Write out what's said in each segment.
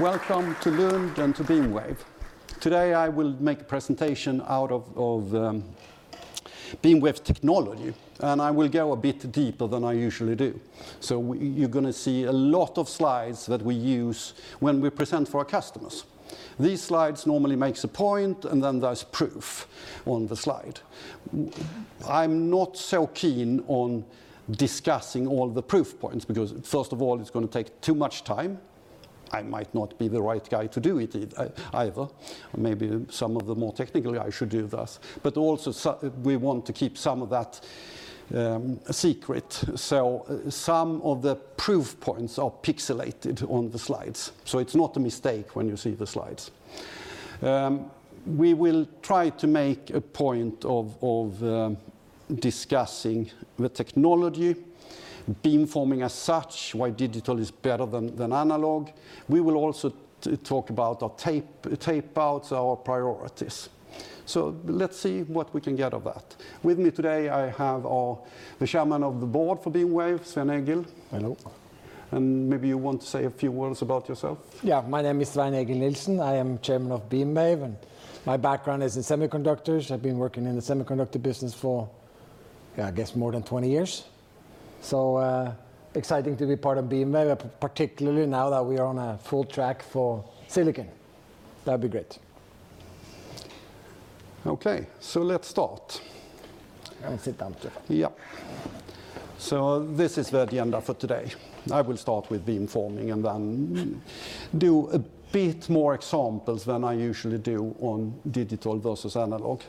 Welcome to Lund and to BeammWave. Today I will make a presentation out of BeammWave technology, and I will go a bit deeper than I usually do. So you're going to see a lot of slides that we use when we present for our customers. These slides normally make a point, and then there's proof on the slide. I'm not so keen on discussing all the proof points because, first of all, it's going to take too much time. I might not be the right guy to do it either. Maybe some of the more technical guys should do this. But also, we want to keep some of that secret. So some of the proof points are pixelated on the slides. So it's not a mistake when you see the slides. We will try to make a point of discussing the technology, beamforming as such, why digital is better than analog. We will also talk about our tape-outs, our priorities, so let's see what we can get of that. With me today, I have the Board Member for BeammWave, Svein-Egil. Hello. Maybe you want to say a few words about yourself. Yeah, my name is Svein-Egil Nielsen. I am chairman of BeammWave, and my background is in semiconductors. I've been working in the semiconductor business for, yeah, I guess more than 20 years. So exciting to be part of BeammWave, particularly now that we are on a full track for silicon. That would be great. OK, so let's start. I'll sit down too. Yeah, so this is the agenda for today. I will start with beamforming and then do a bit more examples than I usually do on digital versus analog.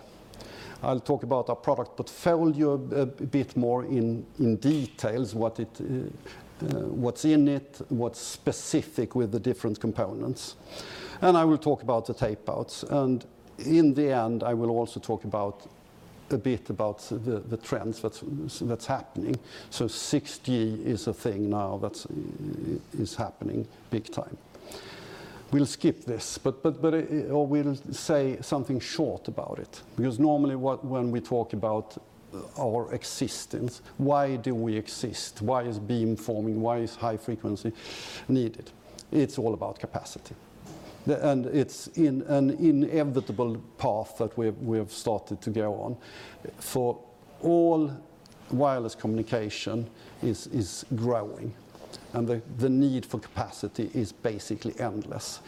I'll talk about our product portfolio a bit more in detail, what's in it, what's specific with the different components, and I will talk about the tape-outs, and in the end, I will also talk a bit about the trends that's happening, so 6G is a thing now that is happening big time. We'll skip this, or we'll say something short about it. Because normally, when we talk about our existence, why do we exist? Why is beamforming? Why is high frequency needed? It's all about capacity, and it's an inevitable path that we have started to go on. For all wireless communication, it's growing, and the need for capacity is basically endless.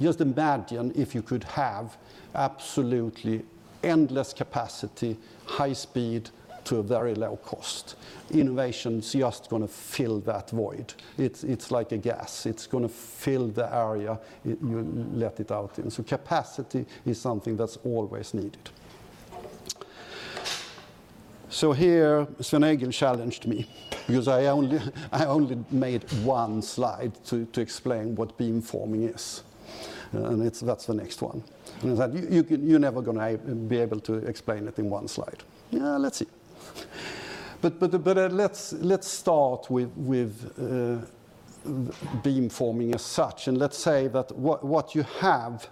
Just imagine if you could have absolutely endless capacity, high speed, to a very low cost. Innovation is just going to fill that void. It's like a gas. It's going to fill the area you let it out in, so capacity is something that's always needed, so here, Svein-Egil challenged me because I only made one slide to explain what beamforming is, and that's the next one, and he said, you're never going to be able to explain it in one slide. Yeah, let's see, but let's start with beamforming as such, and let's say that what you have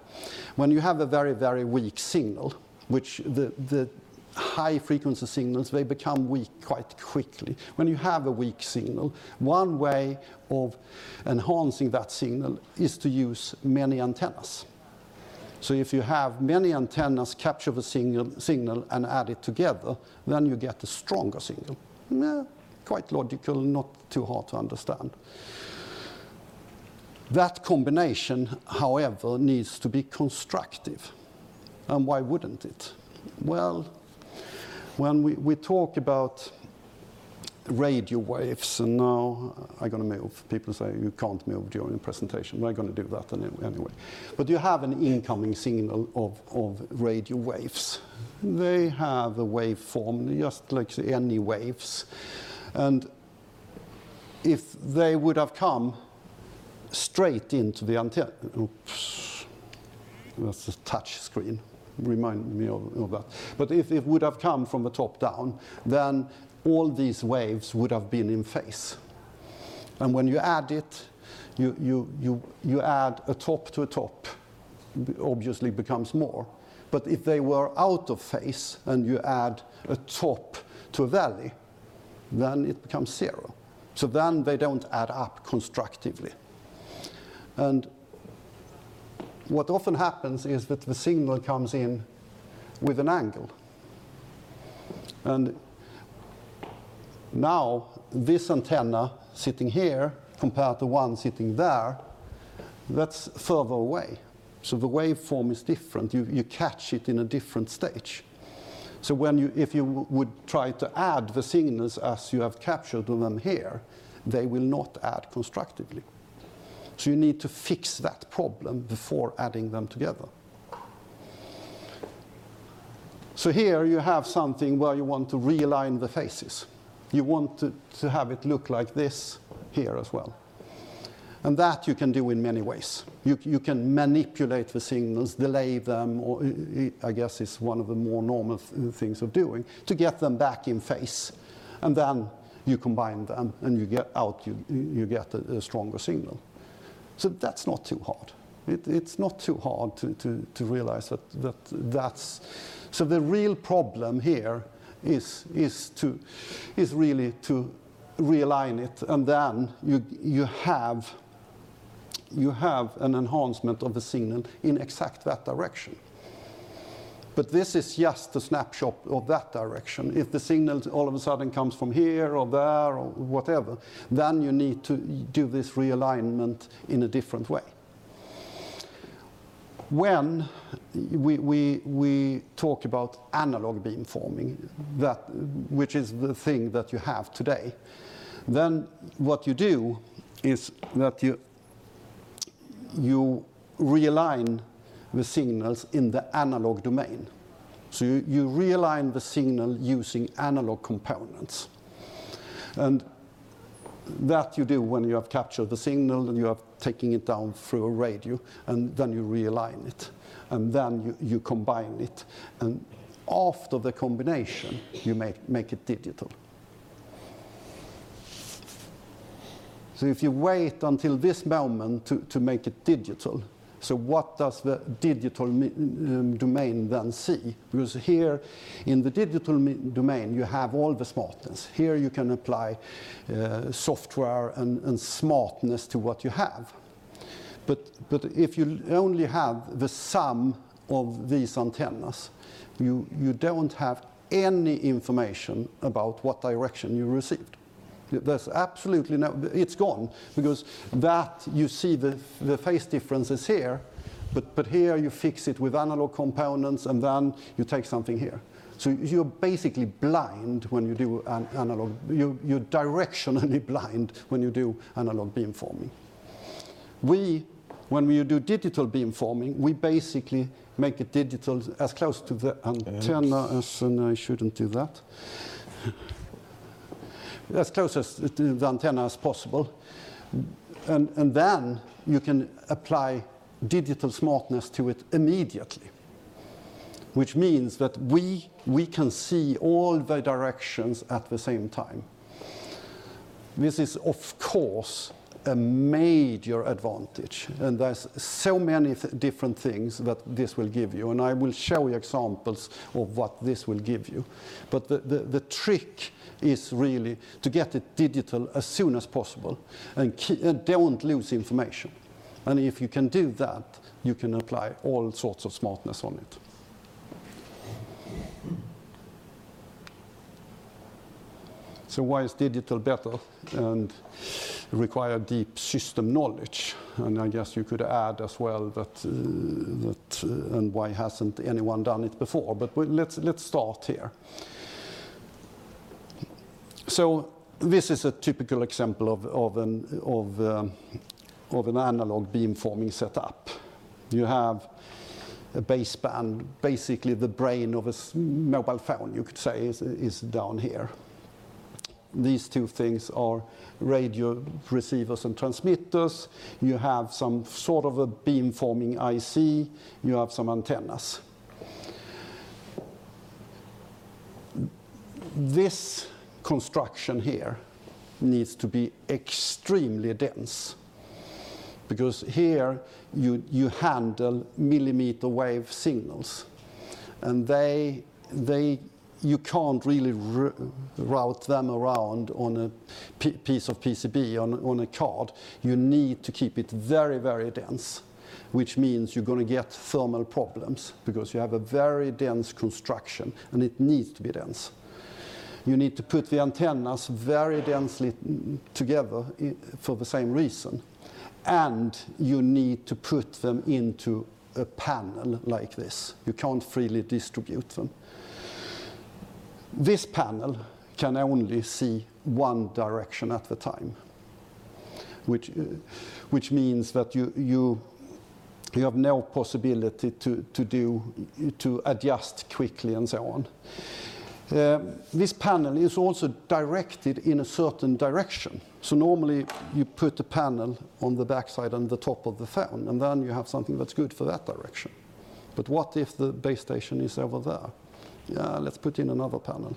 when you have a very, very weak signal, which the high frequency signals, they become weak quite quickly. When you have a weak signal, one way of enhancing that signal is to use many antennas. So if you have many antennas capture the signal and add it together, then you get a stronger signal. Quite logical, not too hard to understand. That combination, however, needs to be constructive. And why wouldn't it? Well, when we talk about radio waves, and now I'm going to move. People say, you can't move during the presentation. We're going to do that anyway. But you have an incoming signal of radio waves. They have a waveform, just like any waves. And if they would have come straight into the antenna, oops, that's a touch screen. Remind me of that. But if it would have come from the top down, then all these waves would have been in phase. And when you add it, you add a top to a top, obviously it becomes more. But if they were out of phase, and you add a top to a valley, then it becomes zero. So then they don't add up constructively. And what often happens is that the signal comes in with an angle. And now this antenna sitting here, compared to one sitting there, that's further away. So the waveform is different. You catch it in a different stage. So if you would try to add the signals as you have captured them here, they will not add constructively. So you need to fix that problem before adding them together. So here you have something where you want to realign the phases. You want to have it look like this here as well. And that you can do in many ways. You can manipulate the signals, delay them, or I guess it's one of the more normal things of doing, to get them back in phase, and then you combine them, and you get a stronger signal. So that's not too hard. It's not too hard to realize that that's so the real problem here is really to realign it, and then you have an enhancement of the signal in exact that direction, but this is just a snapshot of that direction. If the signal all of a sudden comes from here or there or whatever, then you need to do this realignment in a different way. When we talk about analog beamforming, which is the thing that you have today, then what you do is that you realign the signals in the analog domain, so you realign the signal using analog components. And that you do when you have captured the signal, and you are taking it down through a radio, and then you realign it. And then you combine it. And after the combination, you make it digital. So if you wait until this moment to make it digital, so what does the digital domain then see? Because here in the digital domain, you have all the smartness. Here you can apply software and smartness to what you have. But if you only have the sum of these antennas, you don't have any information about what direction you received. There's absolutely no, it's gone. Because there you see the phase differences here, but here you fix it with analog components, and then you take something here. So you're basically blind when you do analog. You're directionally blind when you do analog beamforming. When we do digital beamforming, we basically make it digital as close to the antenna as and I shouldn't do that. As close to the antenna as possible. And then you can apply digital smartness to it immediately. Which means that we can see all the directions at the same time. This is, of course, a major advantage. And there's so many different things that this will give you. And I will show you examples of what this will give you. But the trick is really to get it digital as soon as possible and don't lose information. And if you can do that, you can apply all sorts of smartness on it. So why is digital better and require deep system knowledge? And I guess you could add as well that and why hasn't anyone done it before. But let's start here. So this is a typical example of an analog beamforming setup. You have a baseband. Basically, the brain of a mobile phone, you could say, is down here. These two things are radio receivers and transmitters. You have some sort of a beamforming IC. You have some antennas. This construction here needs to be extremely dense. Because here you handle millimeter wave signals. And you can't really route them around on a piece of PCB, on a card. You need to keep it very, very dense. Which means you're going to get thermal problems. Because you have a very dense construction, and it needs to be dense. You need to put the antennas very densely together for the same reason. And you need to put them into a panel like this. You can't freely distribute them. This panel can only see one direction at a time. Which means that you have no possibility to adjust quickly and so on. This panel is also directed in a certain direction, so normally, you put the panel on the backside and the top of the phone, and then you have something that's good for that direction, but what if the base station is over there? Yeah, let's put in another panel,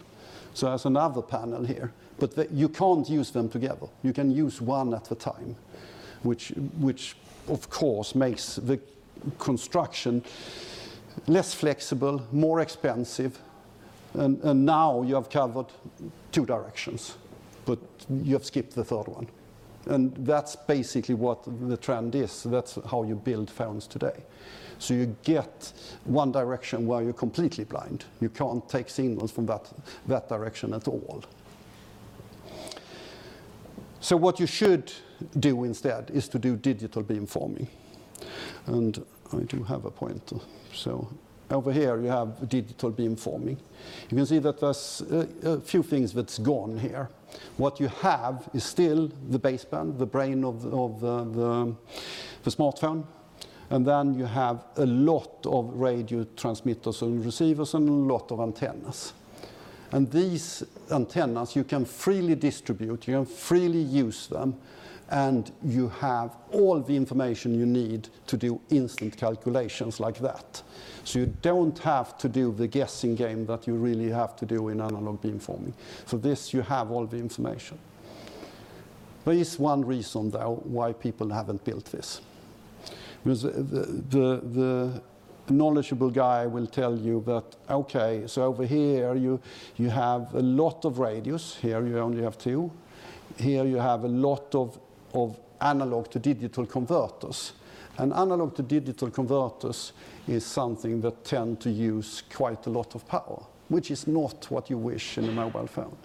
so there's another panel here, but you can't use them together. You can use one at a time, which, of course, makes the construction less flexible, more expensive, and now you have covered two directions, but you have skipped the third one, and that's basically what the trend is. That's how you build phones today, so you get one direction where you're completely blind. You can't take signals from that direction at all, so what you should do instead is to do digital beamforming. I do have a pointer. Over here, you have digital beamforming. You can see that there's a few things that's gone here. What you have is still the baseband, the brain of the smartphone. Then you have a lot of radio transmitters and receivers and a lot of antennas. These antennas, you can freely distribute. You can freely use them. You have all the information you need to do instant calculations like that. You don't have to do the guessing game that you really have to do in analog beamforming. For this, you have all the information. There is one reason, though, why people haven't built this. The knowledgeable guy will tell you that. OK, over here, you have a lot of radios. Here, you only have two. Here, you have a lot of analog-to-digital converters. Analog-to-digital-converters is something that tends to use quite a lot of power, which is not what you wish in a mobile phone.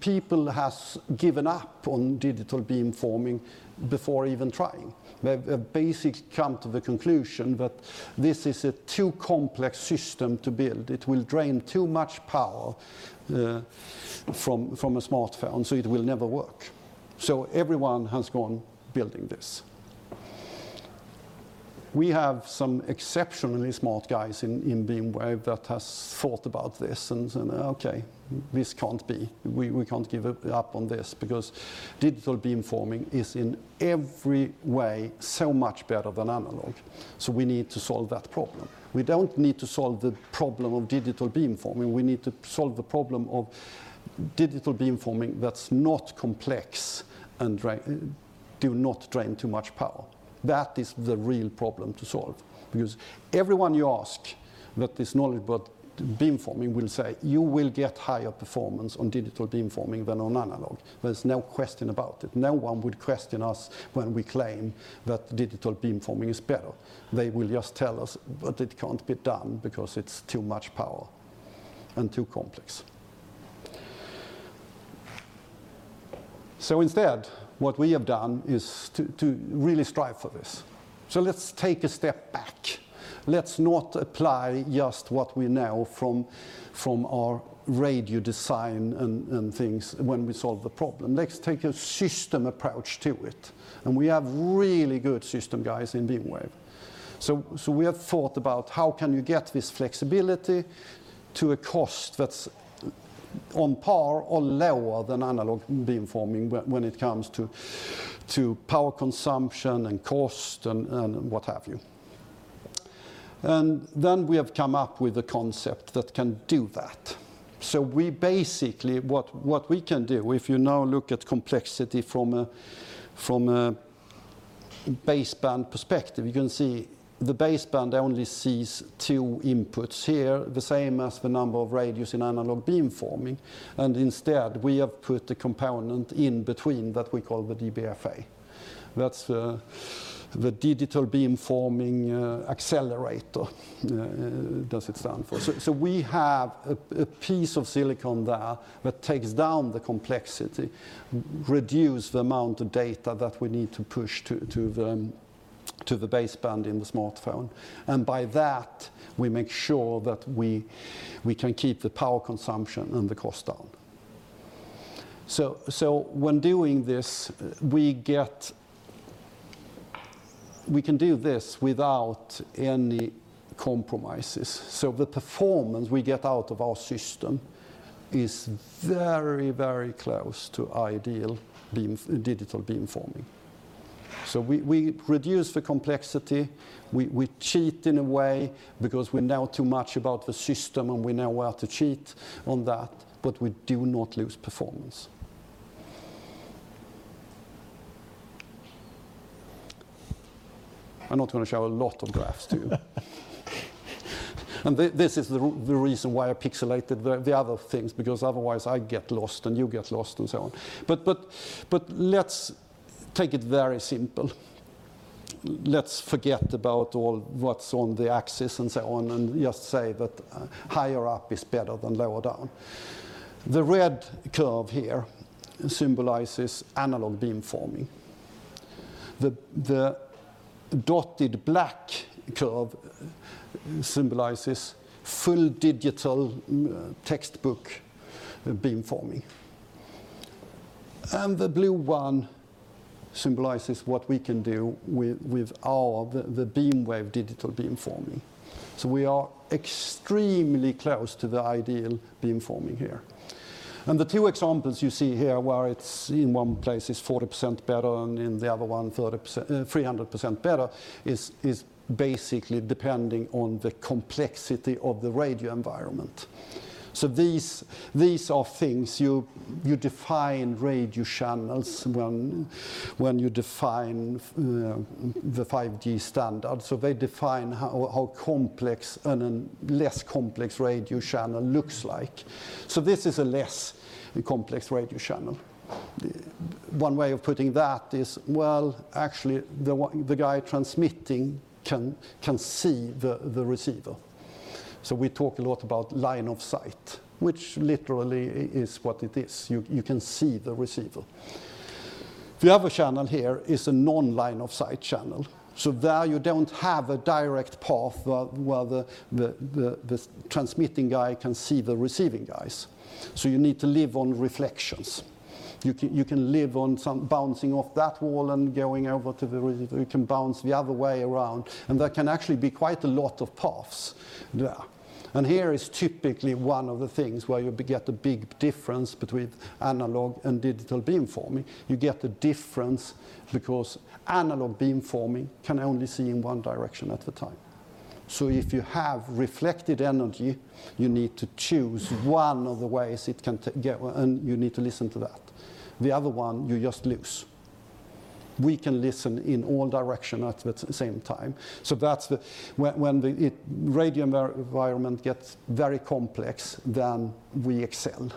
People have given up on digital beamforming before even trying. They basically come to the conclusion that this is a too complex system to build. It will drain too much power from a smartphone, so it will never work. Everyone has gone building this. We have some exceptionally smart guys in BeammWave that have thought about this and said, OK, this can't be. We can't give up on this. Because digital beamforming is in every way so much better than analog, we need to solve that problem. We don't need to solve the problem of digital beamforming. We need to solve the problem of digital beamforming that's not complex and does not drain too much power. That is the real problem to solve. Because everyone you ask that is knowledgeable about beamforming will say, you will get higher performance on digital beamforming than on analog. There's no question about it. No one would question us when we claim that digital beamforming is better. They will just tell us that it can't be done because it's too much power and too complex. So instead, what we have done is to really strive for this. So let's take a step back. Let's not apply just what we know from our radio design and things when we solve the problem. Let's take a system approach to it. And we have really good system guys in BeammWave. We have thought about how can you get this flexibility to a cost that's on par or lower than analog beamforming when it comes to power consumption and cost and what have you. We have come up with a concept that can do that. Basically, what we can do, if you now look at complexity from a baseband perspective, you can see the baseband only sees two inputs here, the same as the number of radios in analog beamforming. Instead, we have put the component in between that we call the DBFA. That's the digital beamforming accelerator it stands for. We have a piece of silicon there that takes down the complexity, reduces the amount of data that we need to push to the baseband in the smartphone. And by that, we make sure that we can keep the power consumption and the cost down. So when doing this, we can do this without any compromises. So the performance we get out of our system is very, very close to ideal digital beamforming. So we reduce the complexity. We cheat in a way, because we know too much about the system, and we know where to cheat on that. But we do not lose performance. I'm not going to show a lot of graphs to you. And this is the reason why I pixelated the other things. Because otherwise, I get lost, and you get lost, and so on. But let's take it very simple. Let's forget about all what's on the axis and so on, and just say that higher up is better than lower down. The red curve here symbolizes analog beamforming. The dotted black curve symbolizes full digital textbook beamforming. The blue one symbolizes what we can do with the BeammWave digital beamforming. We are extremely close to the ideal beamforming here. The two examples you see here, where it's in one place is 40% better and in the other one 300% better, is basically depending on the complexity of the radio environment. These are things you define radio channels when you define the 5G standard. They define how complex and less complex radio channel looks like. This is a less complex radio channel. One way of putting that is, well, actually, the guy transmitting can see the receiver. We talk a lot about line of sight, which literally is what it is. You can see the receiver. The other channel here is a non-line-of-sight channel. There you don't have a direct path where the transmitting guy can see the receiving guys. You need to live on reflections. You can live on bouncing off that wall and going over to the receiver. You can bounce the other way around. There can actually be quite a lot of paths there. Here is typically one of the things where you get a big difference between analog and digital beamforming. You get a difference because analog beamforming can only see in one direction at a time. If you have reflected energy, you need to choose one of the ways it can go, and you need to listen to that. The other one, you just lose. We can listen in all directions at the same time. When the radio environment gets very complex, then we excel.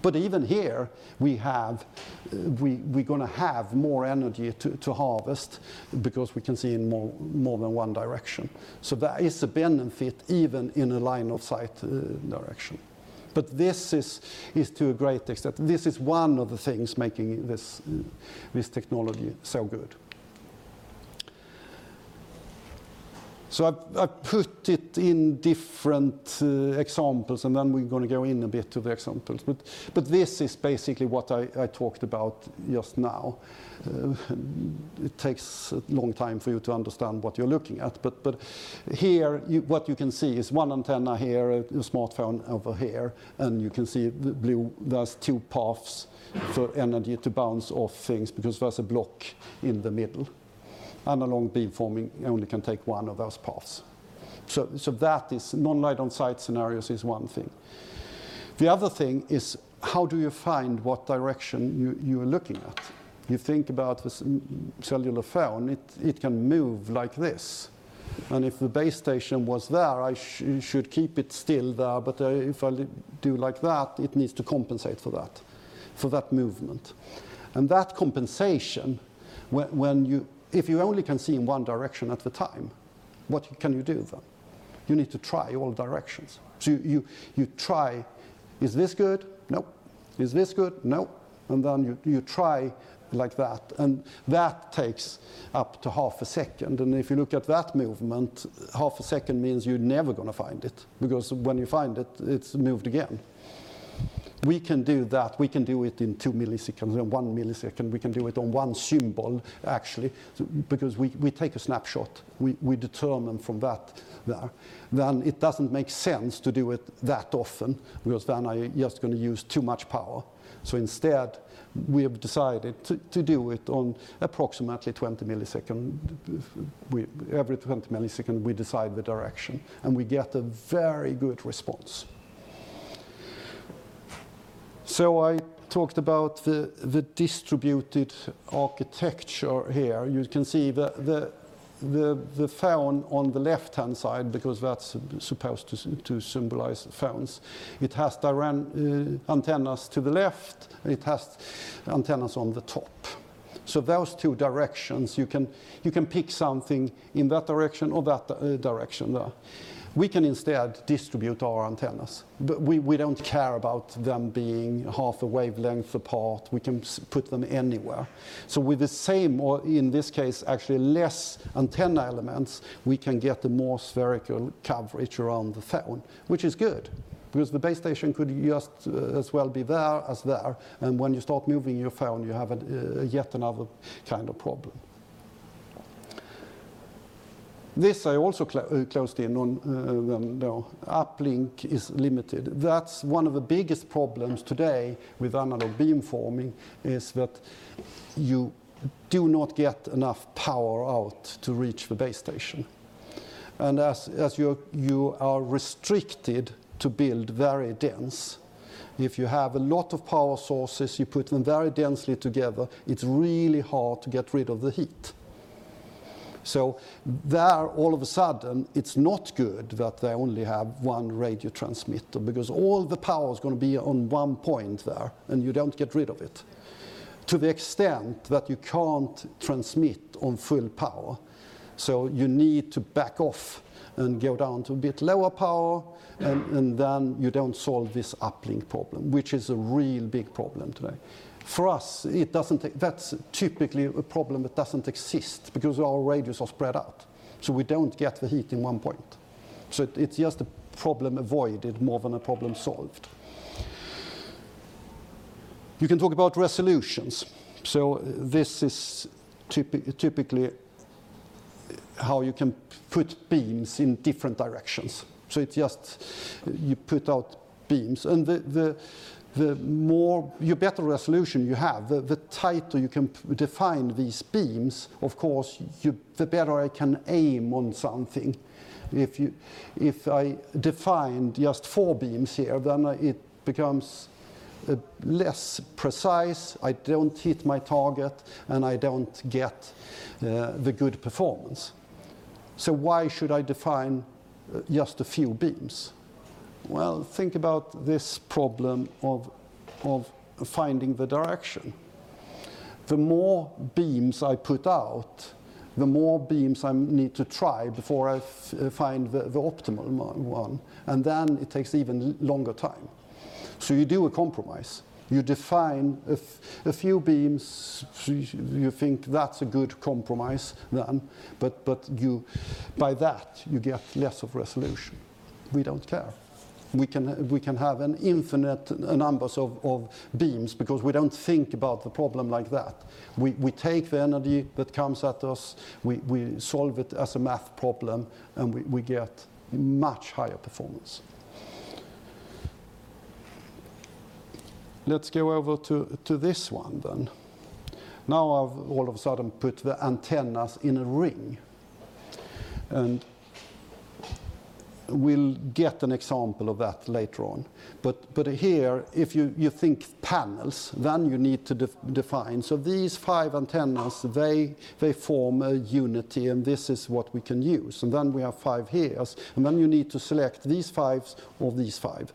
But even here, we're going to have more energy to harvest because we can see in more than one direction. So there is a benefit even in a line of sight direction. But this is to a great extent. This is one of the things making this technology so good. So I put it in different examples, and then we're going to go in a bit to the examples. But this is basically what I talked about just now. It takes a long time for you to understand what you're looking at. But here, what you can see is one antenna here, a smartphone over here. And you can see the blue. There's two paths for energy to bounce off things because there's a block in the middle. Analog beamforming only can take one of those paths. So that is non-line of sight scenarios is one thing. The other thing is, how do you find what direction you are looking at? You think about a cellular phone. It can move like this, and if the base station was there, I should keep it still there, but if I do like that, it needs to compensate for that movement, and that compensation, if you only can see in one direction at a time, what can you do then? You need to try all directions, so you try, is this good? Nope. Is this good? No, and then you try like that, and that takes up to half a second, and if you look at that movement, half a second means you're never going to find it. Because when you find it, it's moved again. We can do that. We can do it in two milliseconds and one millisecond. We can do it on one symbol, actually. Because we take a snapshot. We determine from that there, then it doesn't make sense to do it that often, because then I'm just going to use too much power, so instead, we have decided to do it on approximately 20 milliseconds. Every 20 milliseconds, we decide the direction, and we get a very good response, so I talked about the distributed architecture here. You can see the phone on the left-hand side, because that's supposed to symbolize phones. It has antennas to the left. It has antennas on the top, so those two directions, you can pick something in that direction or that direction there. We can instead distribute our antennas. We don't care about them being half a wavelength apart. We can put them anywhere. So with the same, or in this case, actually less antenna elements, we can get a more spherical coverage around the phone, which is good. Because the base station could just as well be there as there. And when you start moving your phone, you have yet another kind of problem. This I also closed in on. Uplink is limited. That's one of the biggest problems today with analog beamforming is that you do not get enough power out to reach the base station. And as you are restricted to build very dense, if you have a lot of power sources, you put them very densely together, it's really hard to get rid of the heat. So there, all of a sudden, it's not good that they only have one radio transmitter. Because all the power is going to be on one point there, and you don't get rid of it. To the extent that you can't transmit on full power, so you need to back off and go down to a bit lower power, and then you don't solve this uplink problem, which is a real big problem today. For us, that's typically a problem that doesn't exist because our radius is spread out, so we don't get the heat in one point, so it's just a problem avoided more than a problem solved. You can talk about resolutions, so this is typically how you can put beams in different directions, so you put out beams. And the better resolution you have, the tighter you can define these beams, of course, the better I can aim on something. If I define just four beams here, then it becomes less precise. I don't hit my target, and I don't get the good performance. So why should I define just a few beams? Well, think about this problem of finding the direction. The more beams I put out, the more beams I need to try before I find the optimal one. And then it takes even longer time. So you do a compromise. You define a few beams. You think that's a good compromise then. But by that, you get less of resolution. We don't care. We can have an infinite number of beams because we don't think about the problem like that. We take the energy that comes at us. We solve it as a math problem, and we get much higher performance. Let's go over to this one then. Now I've all of a sudden put the antennas in a ring. And we'll get an example of that later on. But here, if you think panels, then you need to define. So these five antennas, they form a unity. And this is what we can use. And then we have five here. And then you need to select these five or these five.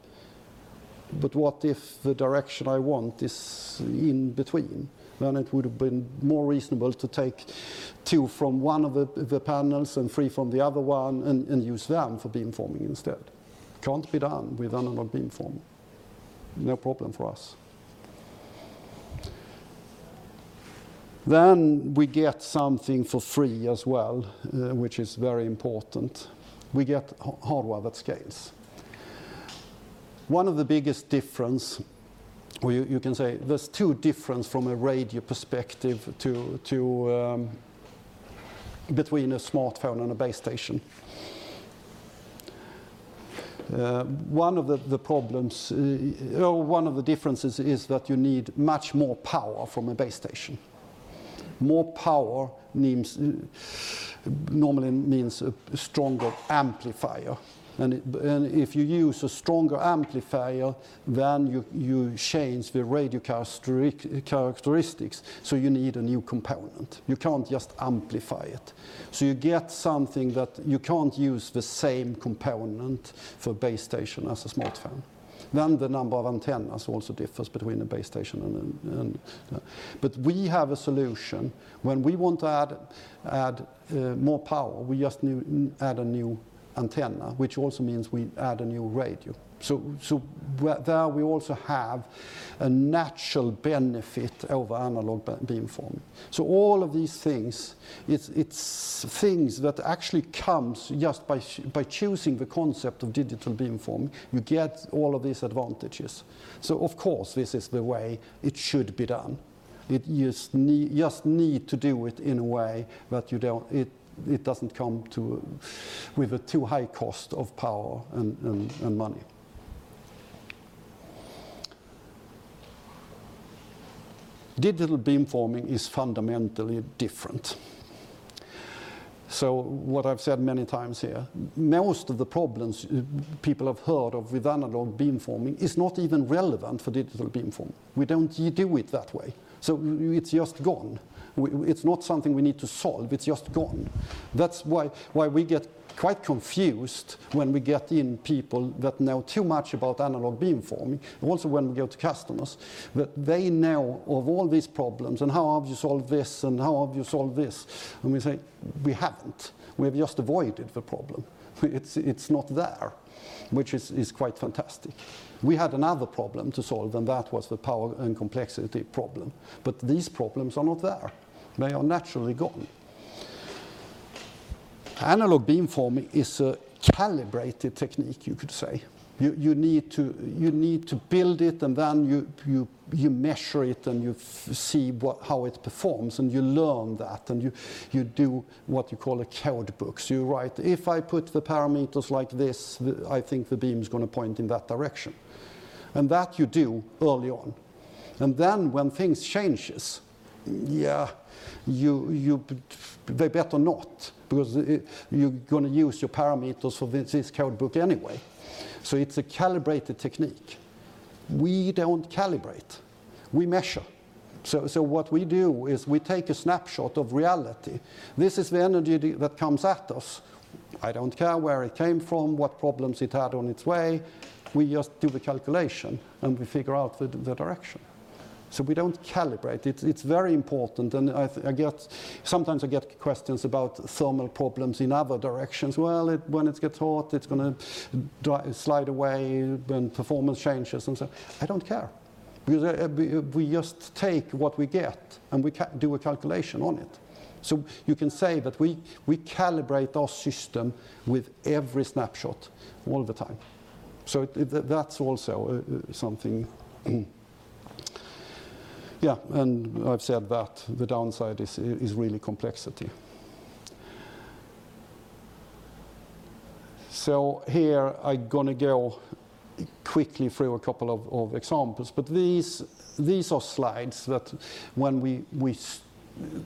But what if the direction I want is in between? Then it would have been more reasonable to take two from one of the panels and three from the other one and use them for beamforming instead. Can't be done with analog beamforming. No problem for us. Then we get something for free as well, which is very important. We get hardware that scales. One of the biggest differences, or you can say there's two differences from a radio perspective between a smartphone and a base station. One of the problems, or one of the differences, is that you need much more power from a base station. More power normally means a stronger amplifier, and if you use a stronger amplifier, then you change the radio characteristics, so you need a new component. You can't just amplify it. So you get something that you can't use the same component for a base station as a smartphone. Then the number of antennas also differs between a base station and there, but we have a solution. When we want to add more power, we just add a new antenna, which also means we add a new radio, so there we also have a natural benefit over analog beamforming. So all of these things, it's things that actually come just by choosing the concept of digital beamforming. You get all of these advantages, so of course, this is the way it should be done. You just need to do it in a way that it doesn't come with a too high cost of power and money. Digital beamforming is fundamentally different. So what I've said many times here, most of the problems people have heard of with analog beamforming is not even relevant for digital beamforming. We don't do it that way. So it's just gone. It's not something we need to solve. It's just gone. That's why we get quite confused when we get in people that know too much about analog beamforming. Also when we go to customers, that they know of all these problems and how have you solved this and how have you solved this. And we say, we haven't. We have just avoided the problem. It's not there, which is quite fantastic. We had another problem to solve, and that was the power and complexity problem. But these problems are not there. They are naturally gone. Analog beamforming is a calibrated technique, you could say. You need to build it, and then you measure it, and you see how it performs. And you learn that. And you do what you call a code book. So you write, if I put the parameters like this, I think the beam is going to point in that direction. And that you do early on. And then when things change, yeah, they better not. Because you're going to use your parameters for this code book anyway. So it's a calibrated technique. We don't calibrate. We measure. So what we do is we take a snapshot of reality. This is the energy that comes at us. I don't care where it came from, what problems it had on its way. We just do the calculation, and we figure out the direction. So we don't calibrate. It's very important. And sometimes I get questions about thermal problems in other directions. Well, when it gets hot, it's going to slide away when performance changes and so on. I don't care. Because we just take what we get and we do a calculation on it. So you can say that we calibrate our system with every snapshot all the time. So that's also something. Yeah. And I've said that the downside is really complexity. So here, I'm going to go quickly through a couple of examples. But these are slides that when we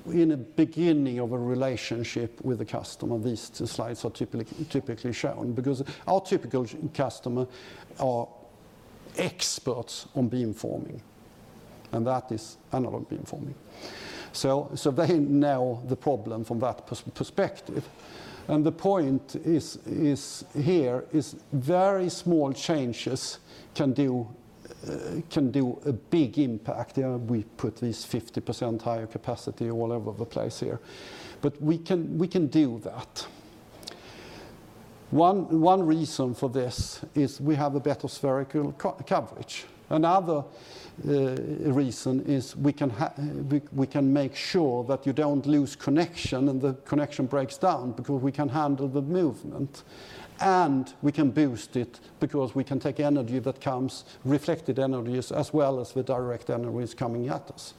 in the beginning of a relationship with a customer, these slides are typically shown. Because our typical customer are experts on beamforming. And that is analog beamforming. So they know the problem from that perspective. And the point here is very small changes can do a big impact. We put this 50% higher capacity all over the place here, but we can do that. One reason for this is we have a better spherical coverage. Another reason is we can make sure that you don't lose connection and the connection breaks down. Because we can handle the movement and we can boost it because we can take energy that comes, reflected energies, as well as the direct energies coming at us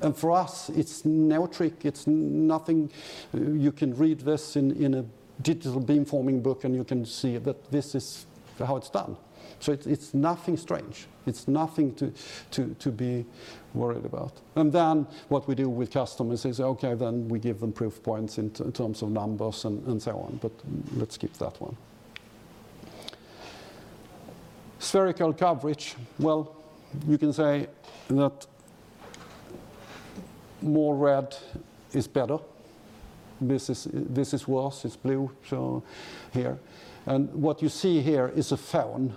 and for us, it's no trick. It's nothing. You can read this in a digital beamforming book, and you can see that this is how it's done, so it's nothing strange. It's nothing to be worried about and then what we do with customers is, OK, then we give them proof points in terms of numbers and so on, but let's skip that one. Spherical coverage. Well, you can say that more red is better. This is worse. It's blue. So, here and what you see here is a phone.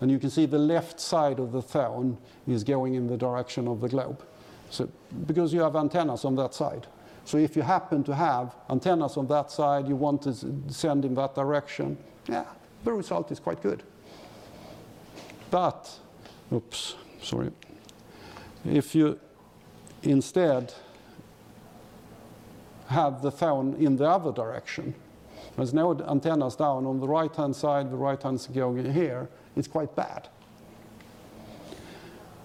And you can see the left side of the phone is going in the direction of the globe because you have antennas on that side, so if you happen to have antennas on that side, you want to send in that direction. Yeah, the result is quite good. But oops, sorry. If you instead have the phone in the other direction, there's no antennas down on the right-hand side. The right-hand side going here, it's quite bad,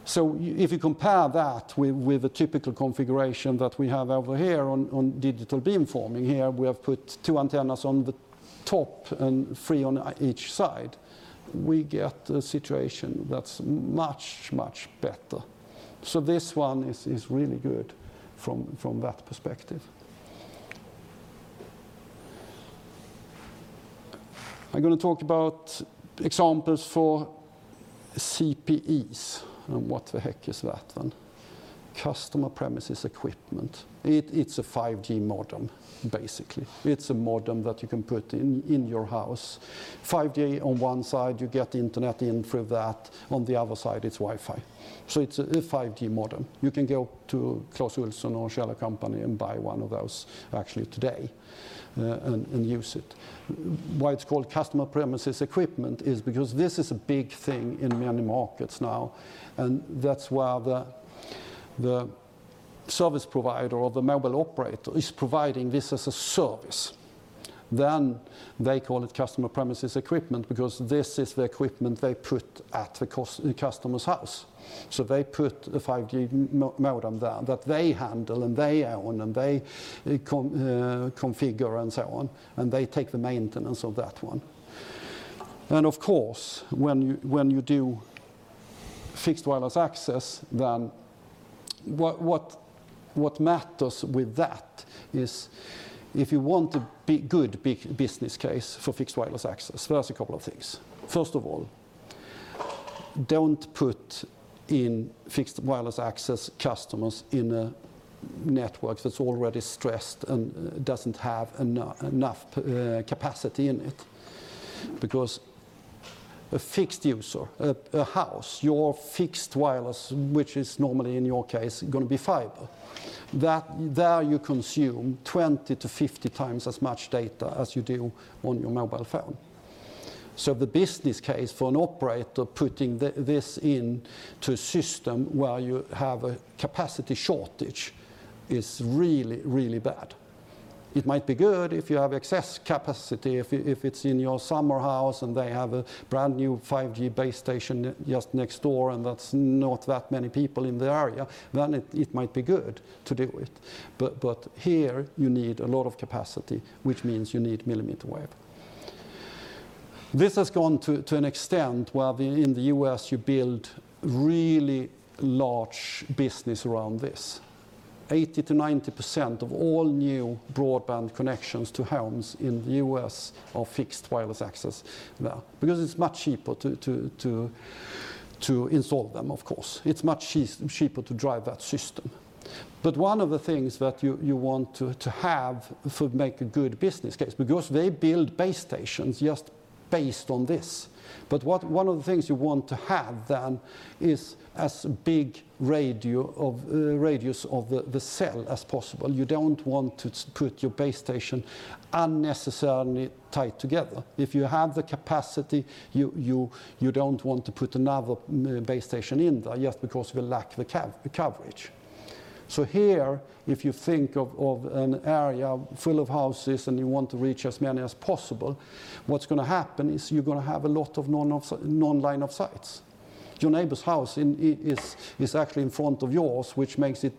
so if you compare that with a typical configuration that we have over here on digital beamforming, here we have put two antennas on the top and three on each side, we get a situation that's much, much better. So this one is really good from that perspective. I'm going to talk about examples for CPEs. What the heck is that then? Customer premises equipment. It's a 5G modem, basically. It's a modem that you can put in your house. 5G on one side, you get internet in through that. On the other side, it's Wi-Fi. It's a 5G modem. You can go to Clas Ohlson or Kjell & Company and buy one of those, actually, today, and use it. Why it's called customer premises equipment is because this is a big thing in many markets now. That's where the service provider or the mobile operator is providing this as a service. They call it customer premises equipment because this is the equipment they put at the customer's house. They put a 5G modem there that they handle and they own and they configure and so on. They take the maintenance of that one. Of course, when you do fixed wireless access, then what matters with that is if you want a good business case for fixed wireless access, there's a couple of things. First of all, don't put in fixed wireless access customers in a network that's already stressed and doesn't have enough capacity in it. Because a fixed user, a house, your fixed wireless, which is normally in your case going to be fiber, there you consume 20-50 times as much data as you do on your mobile phone. So the business case for an operator putting this into a system where you have a capacity shortage is really, really bad. It might be good if you have excess capacity. If it's in your summer house and they have a brand new 5G base station just next door and that's not that many people in the area, then it might be good to do it. But here, you need a lot of capacity, which means you need millimeter wave. This has gone to an extent where in the U.S., you build really large business around this. 80%-90% of all new broadband connections to homes in the U.S. are fixed wireless access there. Because it's much cheaper to install them, of course. It's much cheaper to drive that system. But one of the things that you want to have to make a good business case, because they build base stations just based on this. But one of the things you want to have then is as big radius of the cell as possible. You don't want to put your base station unnecessarily tight together. If you have the capacity, you don't want to put another base station in there, just because you lack the coverage. So here, if you think of an area full of houses and you want to reach as many as possible, what's going to happen is you're going to have a lot of non-line-of-sight. Your neighbor's house is actually in front of yours, which makes it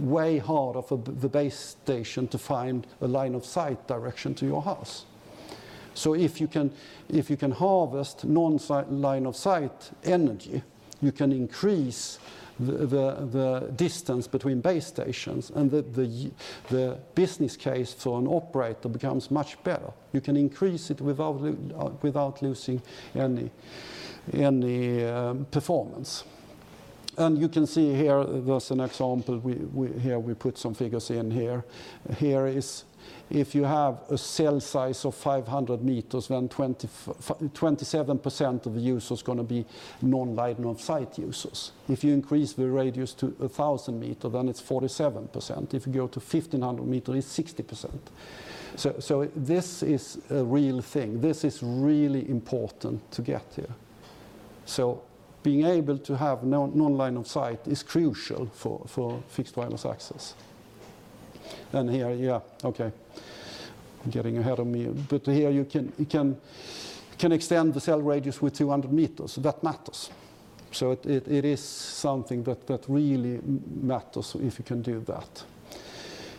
way harder for the base station to find a line-of-sight direction to your house. So if you can harvest non-line-of-sight energy, you can increase the distance between base stations. And the business case for an operator becomes much better. You can increase it without losing any performance. And you can see here, there's an example. Here we put some figures in here. Here is if you have a cell size of 500 meters, then 27% of the users are going to be non-line of sight users. If you increase the radius to 1,000 meters, then it's 47%. If you go to 1,500 meters, it's 6G. So this is a real thing. This is really important to get here. So being able to have non-line of sight is crucial for fixed wireless access. And here, yeah, OK. I'm getting ahead of me. But here you can extend the cell radius with 200 meters. That matters. So it is something that really matters if you can do that.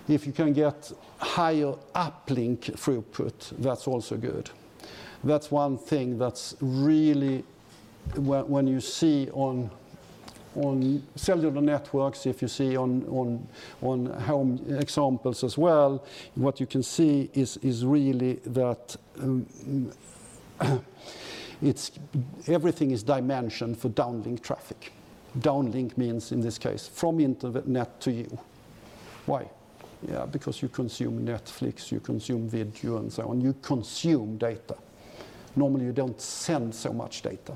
If you can get higher uplink throughput, that's also good. That's one thing that's really when you see on cellular networks, if you see on home examples as well, what you can see is really that everything is dimensioned for downlink traffic. Downlink means in this case from internet to you. Why? Yeah, because you consume Netflix. You consume video and so on. You consume data. Normally, you don't send so much data.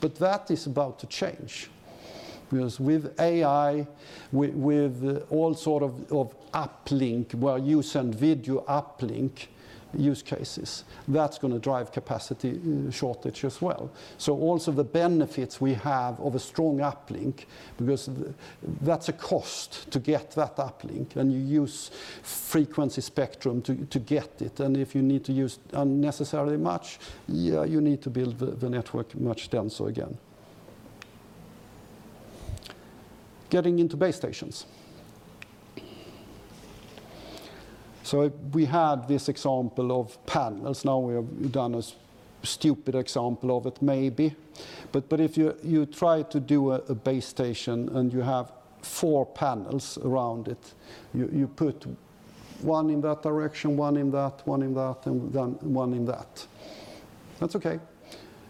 But that is about to change. Because with AI, with all sorts of uplink where you send video uplink use cases, that's going to drive capacity shortage as well. So also the benefits we have of a strong uplink, because that's a cost to get that uplink. And you use frequency spectrum to get it. And if you need to use unnecessarily much, you need to build the network much denser again. Getting into base stations. So we had this example of panels. Now we have done a stupid example of it, maybe. But if you try to do a base station and you have four panels around it, you put one in that direction, one in that, one in that, and then one in that. That's OK.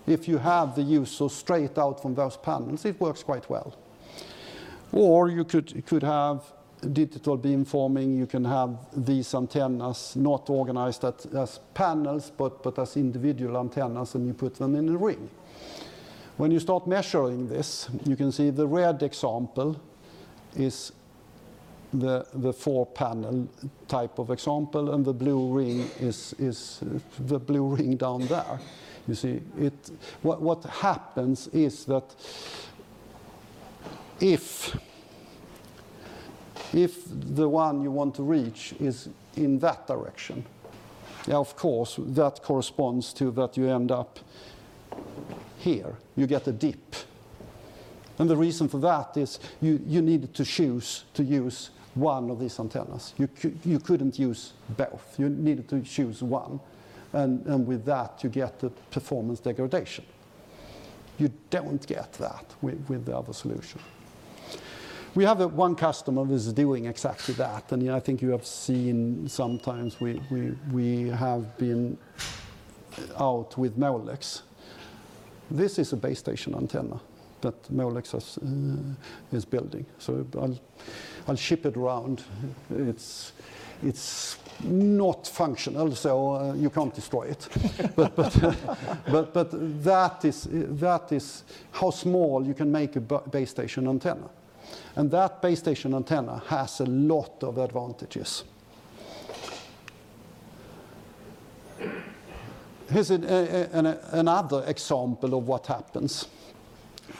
If you have the user straight out from those panels, it works quite well. Or you could have digital beamforming. You can have these antennas not organized as panels, but as individual antennas, and you put them in a ring. When you start measuring this, you can see the red example is the four-panel type of example. And the blue ring is the blue ring down there. You see, what happens is that if the one you want to reach is in that direction, yeah, of course, that corresponds to that you end up here. You get a dip. And the reason for that is you needed to choose to use one of these antennas. You couldn't use both. You needed to choose one. And with that, you get the performance degradation. You don't get that with the other solution. We have one customer who is doing exactly that. And I think you have seen sometimes we have been out with Molex. This is a base station antenna that Molex is building. So I'll ship it around. It's not functional, so you can't destroy it. But that is how small you can make a base station antenna. And that base station antenna has a lot of advantages. Here's another example of what happens.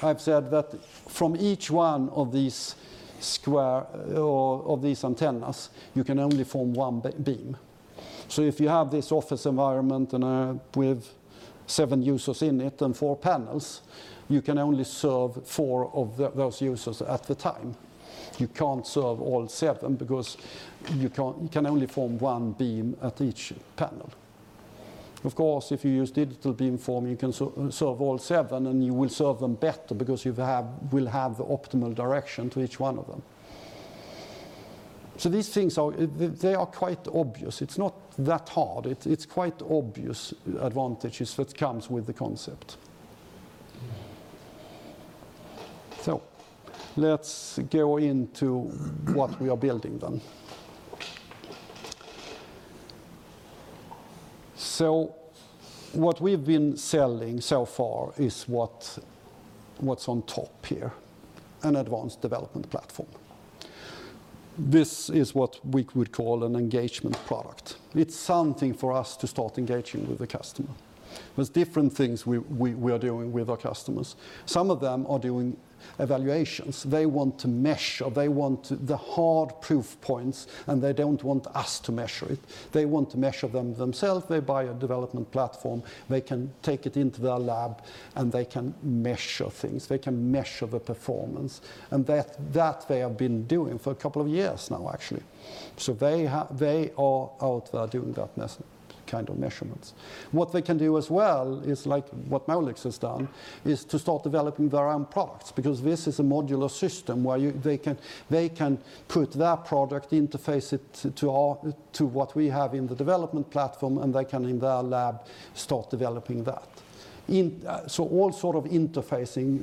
I've said that from each one of these square or of these antennas, you can only form one beam. So if you have this office environment with seven users in it and four panels, you can only serve four of those users at the time. You can't serve all seven because you can only form one beam at each panel. Of course, if you use digital beamforming, you can serve all seven. And you will serve them better because you will have the optimal direction to each one of them. So these things, they are quite obvious. It's not that hard. It's quite obvious advantages that come with the concept. So let's go into what we are building then. So what we've been selling so far is what's on top here, an Advanced Development Platform. This is what we would call an engagement product. It's something for us to start engaging with the customer. There's different things we are doing with our customers. Some of them are doing evaluations. They want to measure. They want the hard proof points. And they don't want us to measure it. They want to measure them themselves. They buy a development platform. They can take it into their lab and they can measure things. They can measure the performance, and that they have been doing for a couple of years now, actually, so they are out there doing that kind of measurements. What they can do as well is like what Molex has done is to start developing their own products. Because this is a modular system where they can put their product, interface it to what we have in the development platform, and they can in their lab start developing that, so all sorts of interfacing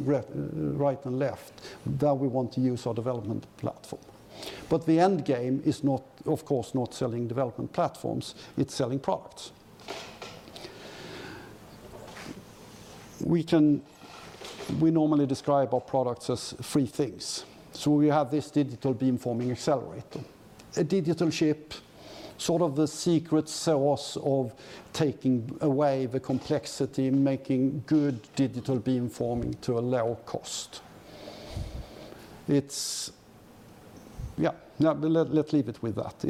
right and left that we want to use our development platform. But the end game is not, of course, not selling development platforms. It's selling products. We normally describe our products as three things. So we have this digital beamforming accelerator, a digital chip, sort of the secret sauce of taking away the complexity, making good digital beamforming to a lower cost. Yeah, let's leave it with that.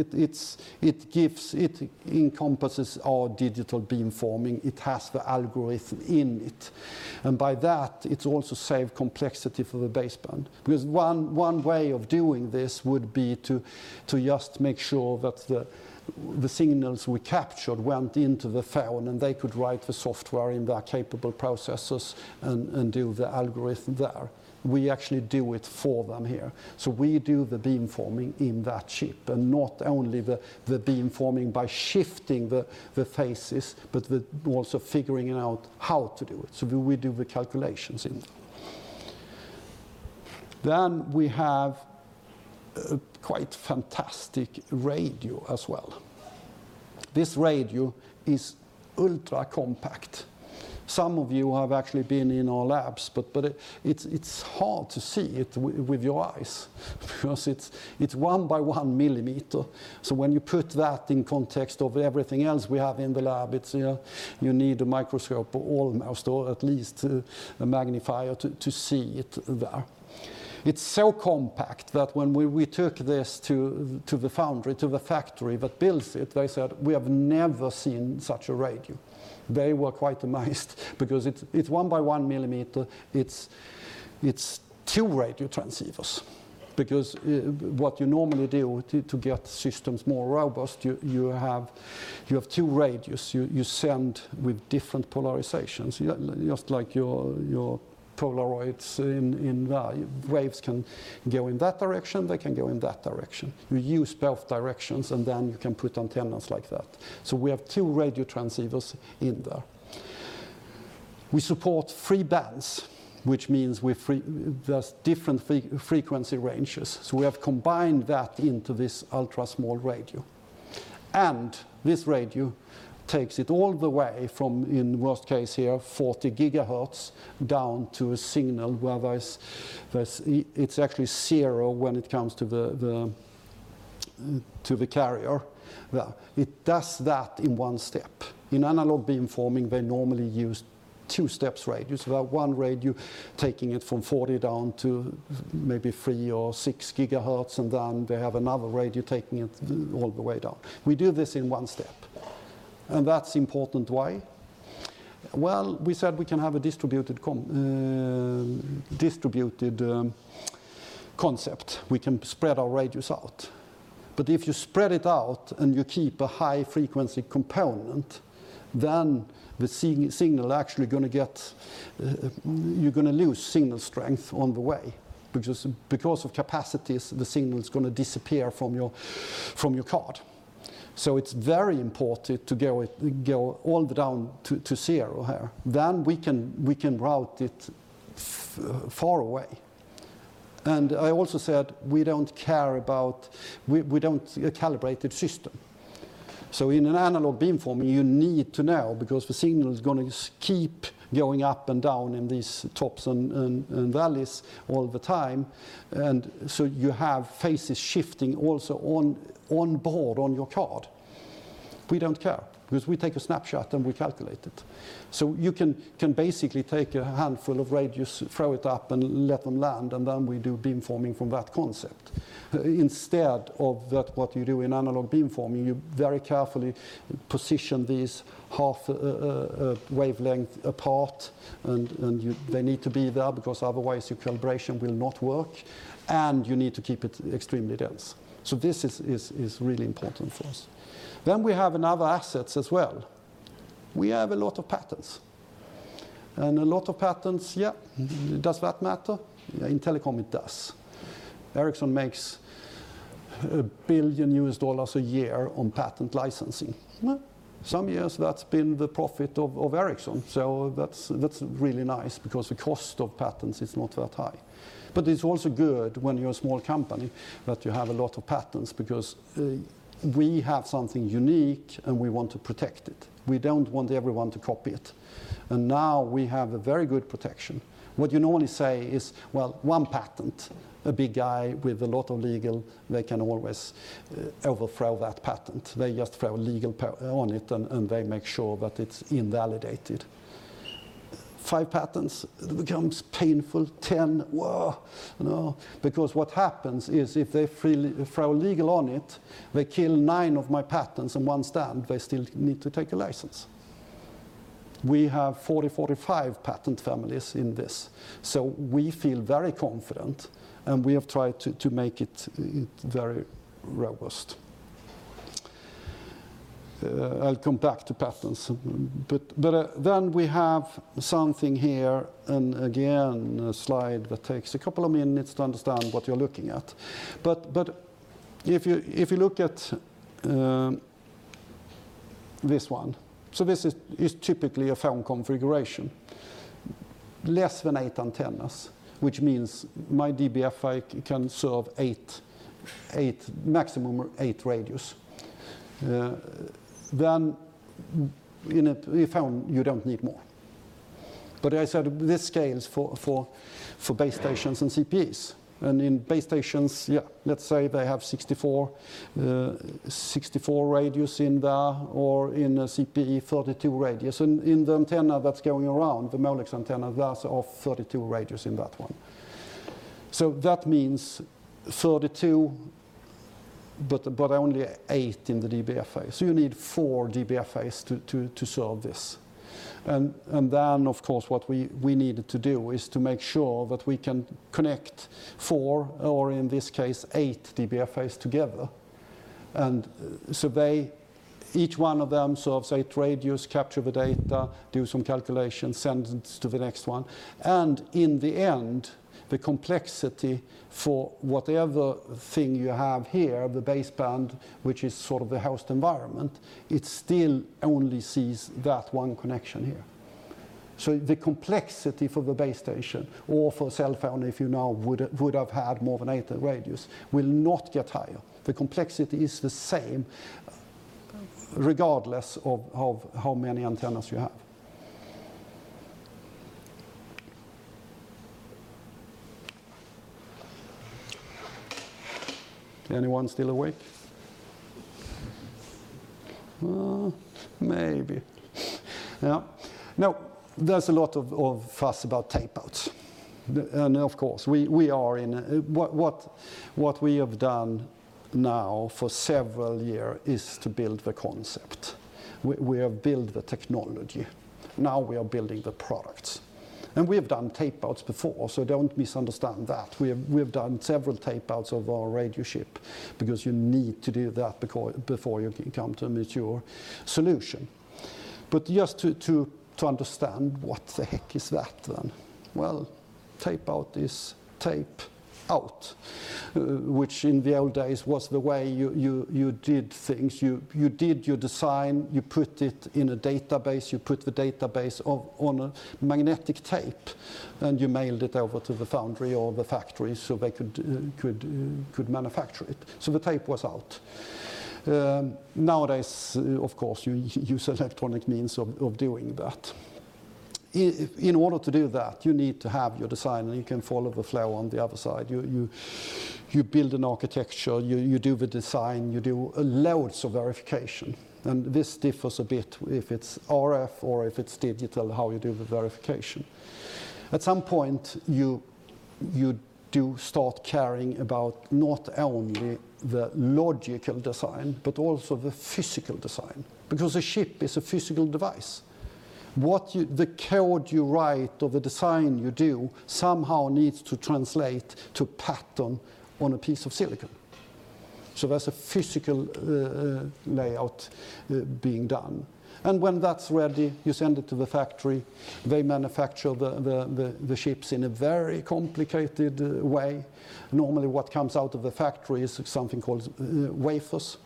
It encompasses our digital beamforming. It has the algorithm in it. And by that, it's also saved complexity for the baseband. Because one way of doing this would be to just make sure that the signals we captured went into the baseband. And they could write the software in their baseband processors and do the algorithm there. We actually do it for them here. So we do the beamforming in that chip. And not only the beamforming by shifting the phases, but also figuring out how to do it. So we do the calculations in it. Then we have quite fantastic radio as well. This radio is ultra compact. Some of you have actually been in our labs. But it's hard to see it with your eyes. Because it's one by one millimeter. So when you put that in context of everything else we have in the lab, you need a microscope almost, or at least a magnifier, to see it there. It's so compact that when we took this to the foundry, to the factory that builds it, they said, "We have never seen such a radio." They were quite amazed. Because it's one by one millimeter. It's two radio transceivers. Because what you normally do to get systems more robust, you have two radios. You send with different polarizations, just like your Polaroids in there. Waves can go in that direction. They can go in that direction. You use both directions. And then you can put antennas like that. So we have two radio transceivers in there. We support three bands, which means there's different frequency ranges, so we have combined that into this ultra-small radio, and this radio takes it all the way from, in worst case here, 40 gigahertz down to a signal where it's actually zero when it comes to the carrier. It does that in one step. In analog beamforming, they normally use two-step radios. One radio taking it from 40 down to maybe three or six gigahertz, and then they have another radio taking it all the way down. We do this in one step, and that's important why? Well, we said we can have a distributed concept. We can spread our radios out, but if you spread it out and you keep a high frequency component, then the signal actually going to get. You're going to lose signal strength on the way. Because of capacities, the signal is going to disappear from your card, so it's very important to go all the way down to zero here. Then we can route it far away, and I also said we don't care about calibration. We don't calibrate the system, so in an analog beamforming, you need to know because the signal is going to keep going up and down in these peaks and valleys all the time, and so you have phases shifting also onboard on your card. We don't care because we take a snapshot and we calculate it, so you can basically take a handful of radios, throw it up, and let them land, and then we do beamforming from that concept. Instead of what you do in analog beamforming, you very carefully position these half-wavelength apart, and they need to be there because otherwise, your calibration will not work. You need to keep it extremely dense. So this is really important for us. Then we have another asset as well. We have a lot of patents. And a lot of patents, yeah, does that matter? In telecom, it does. Ericsson makes $1 billion a year on patent licensing. Some years, that's been the profit of Ericsson. So that's really nice. Because the cost of patents is not that high. But it's also good when you're a small company that you have a lot of patents. Because we have something unique. And we want to protect it. We don't want everyone to copy it. And now we have a very good protection. What you normally say is, well, one patent, a big guy with a lot of legal, they can always overthrow that patent. They just throw legal on it. And they make sure that it's invalidated. Five patents, it becomes painful. Ten, whoa. Because what happens is if they throw legal on it, they kill nine of my patents. And one stand, they still need to take a license. We have 40, 45 patent families in this. So we feel very confident. And we have tried to make it very robust. I'll come back to patents. But then we have something here. And again, a slide that takes a couple of minutes to understand what you're looking at. But if you look at this one, so this is typically a phone configuration, less than eight antennas, which means my DBFA can serve eight, maximum eight radios. Then in a phone, you don't need more. But I said this scales for base stations and CPEs. And in base stations, yeah, let's say they have 64 radios in there. Or in a CPE, 32 radios. In the antenna that's going around, the Molex antenna, there's 32 radios in that one. That means 32, but only eight in the DBFA. You need four DBFAs to serve this. Then, of course, what we needed to do is to make sure that we can connect four, or in this case, eight DBFAs together. Each one of them serves eight radios, capture the data, do some calculations, send it to the next one. In the end, the complexity for whatever thing you have here, the baseband, which is sort of the host environment, it still only sees that one connection here. The complexity for the base station or for a cell phone, if you now would have had more than eight radios, will not get higher. The complexity is the same regardless of how many antennas you have. Anyone still awake? Maybe. Yeah. Now, there's a lot of fuss about tape-outs. And of course, we are in what we have done now for several years is to build the concept. We have built the technology. Now we are building the products. And we have done tape-outs before. So don't misunderstand that. We have done several tape-outs of our radio chip. Because you need to do that before you can come to a mature solution. But just to understand what the heck is that then, well, tape-out is tape-out, which in the old days was the way you did things. You did your design. You put it in a database. You put the database on a magnetic tape. And you mailed it over to the foundry or the factory so they could manufacture it. So the tape was out. Nowadays, of course, you use electronic means of doing that. In order to do that, you need to have your design, and you can follow the flow on the other side. You build an architecture. You do the design. You do loads of verification, and this differs a bit if it's RF or if it's digital, how you do the verification. At some point, you do start caring about not only the logical design, but also the physical design. Because a chip is a physical device. The code you write or the design you do somehow needs to translate to pattern on a piece of silicon. So there's a physical layout being done, and when that's ready, you send it to the factory. They manufacture the chips in a very complicated way. Normally, what comes out of the factory is something called wafers.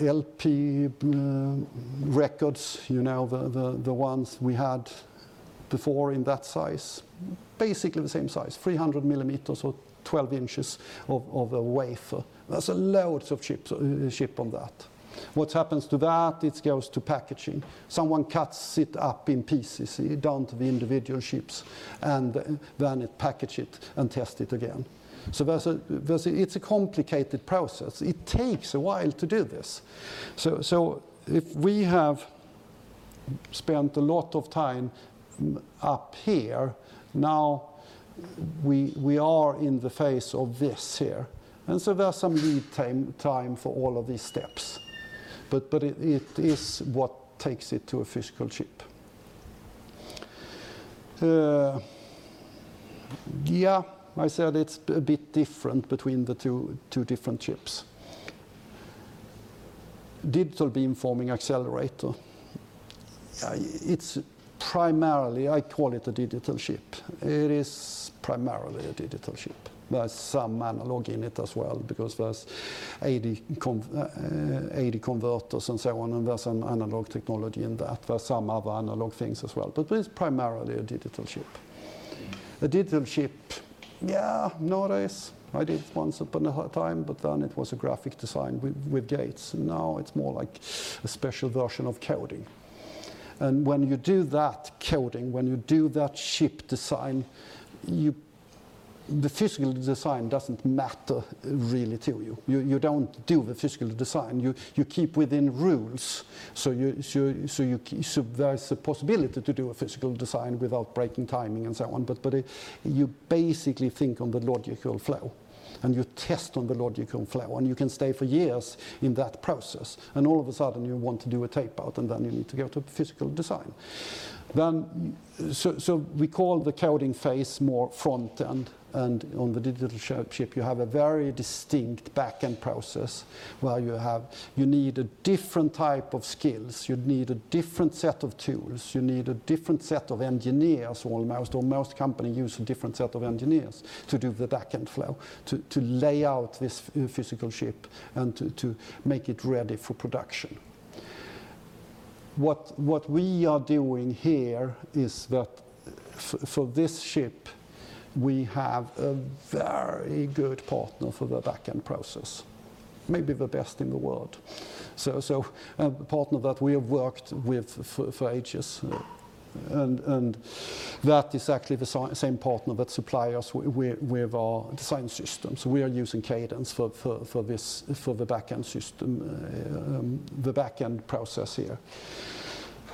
LP records, the ones we had before in that size, basically the same size, 300 millimeters or 12 inches of a wafer. There's loads of chips on that. What happens to that? It goes to packaging. Someone cuts it up in pieces, down to the individual chips. Then it's packaged and tested again. It's a complicated process. It takes a while to do this. If we have spent a lot of time up here, now we are in the face of this here. There's some lead time for all of these steps. It is what takes it to a physical chip. Yeah, I said it's a bit different between the two different chips. Digital Beamforming Accelerator. It's primarily, I call it a digital chip. It is primarily a digital chip. There's some analog in it as well. Because there's A/D converters and so on. There's some analog technology in that. There's some other analog things as well. It's primarily a digital chip. A digital chip, yeah, I know this. I did once upon a time. Then it was a graphic design with gates. Now it's more like a special version of coding. When you do that coding, when you do that chip design, the physical design doesn't matter really to you. You don't do the physical design. You keep within rules. There's a possibility to do a physical design without breaking timing and so on. You basically think on the logical flow. You test on the logical flow. You can stay for years in that process. All of a sudden, you want to do a tape-out. Then you need to go to physical design. We call the coding phase more front-end. On the digital chip, you have a very distinct back-end process where you need a different type of skills. You need a different set of tools. You need a different set of engineers. Almost all companies use a different set of engineers to do the back end flow, to lay out this physical chip, and to make it ready for production. What we are doing here is that for this chip, we have a very good partner for the back end process. Maybe the best in the world. So a partner that we have worked with for ages. And that is actually the same partner that supplies us with our design system. So we are using Cadence for the back end system, the back-end process here.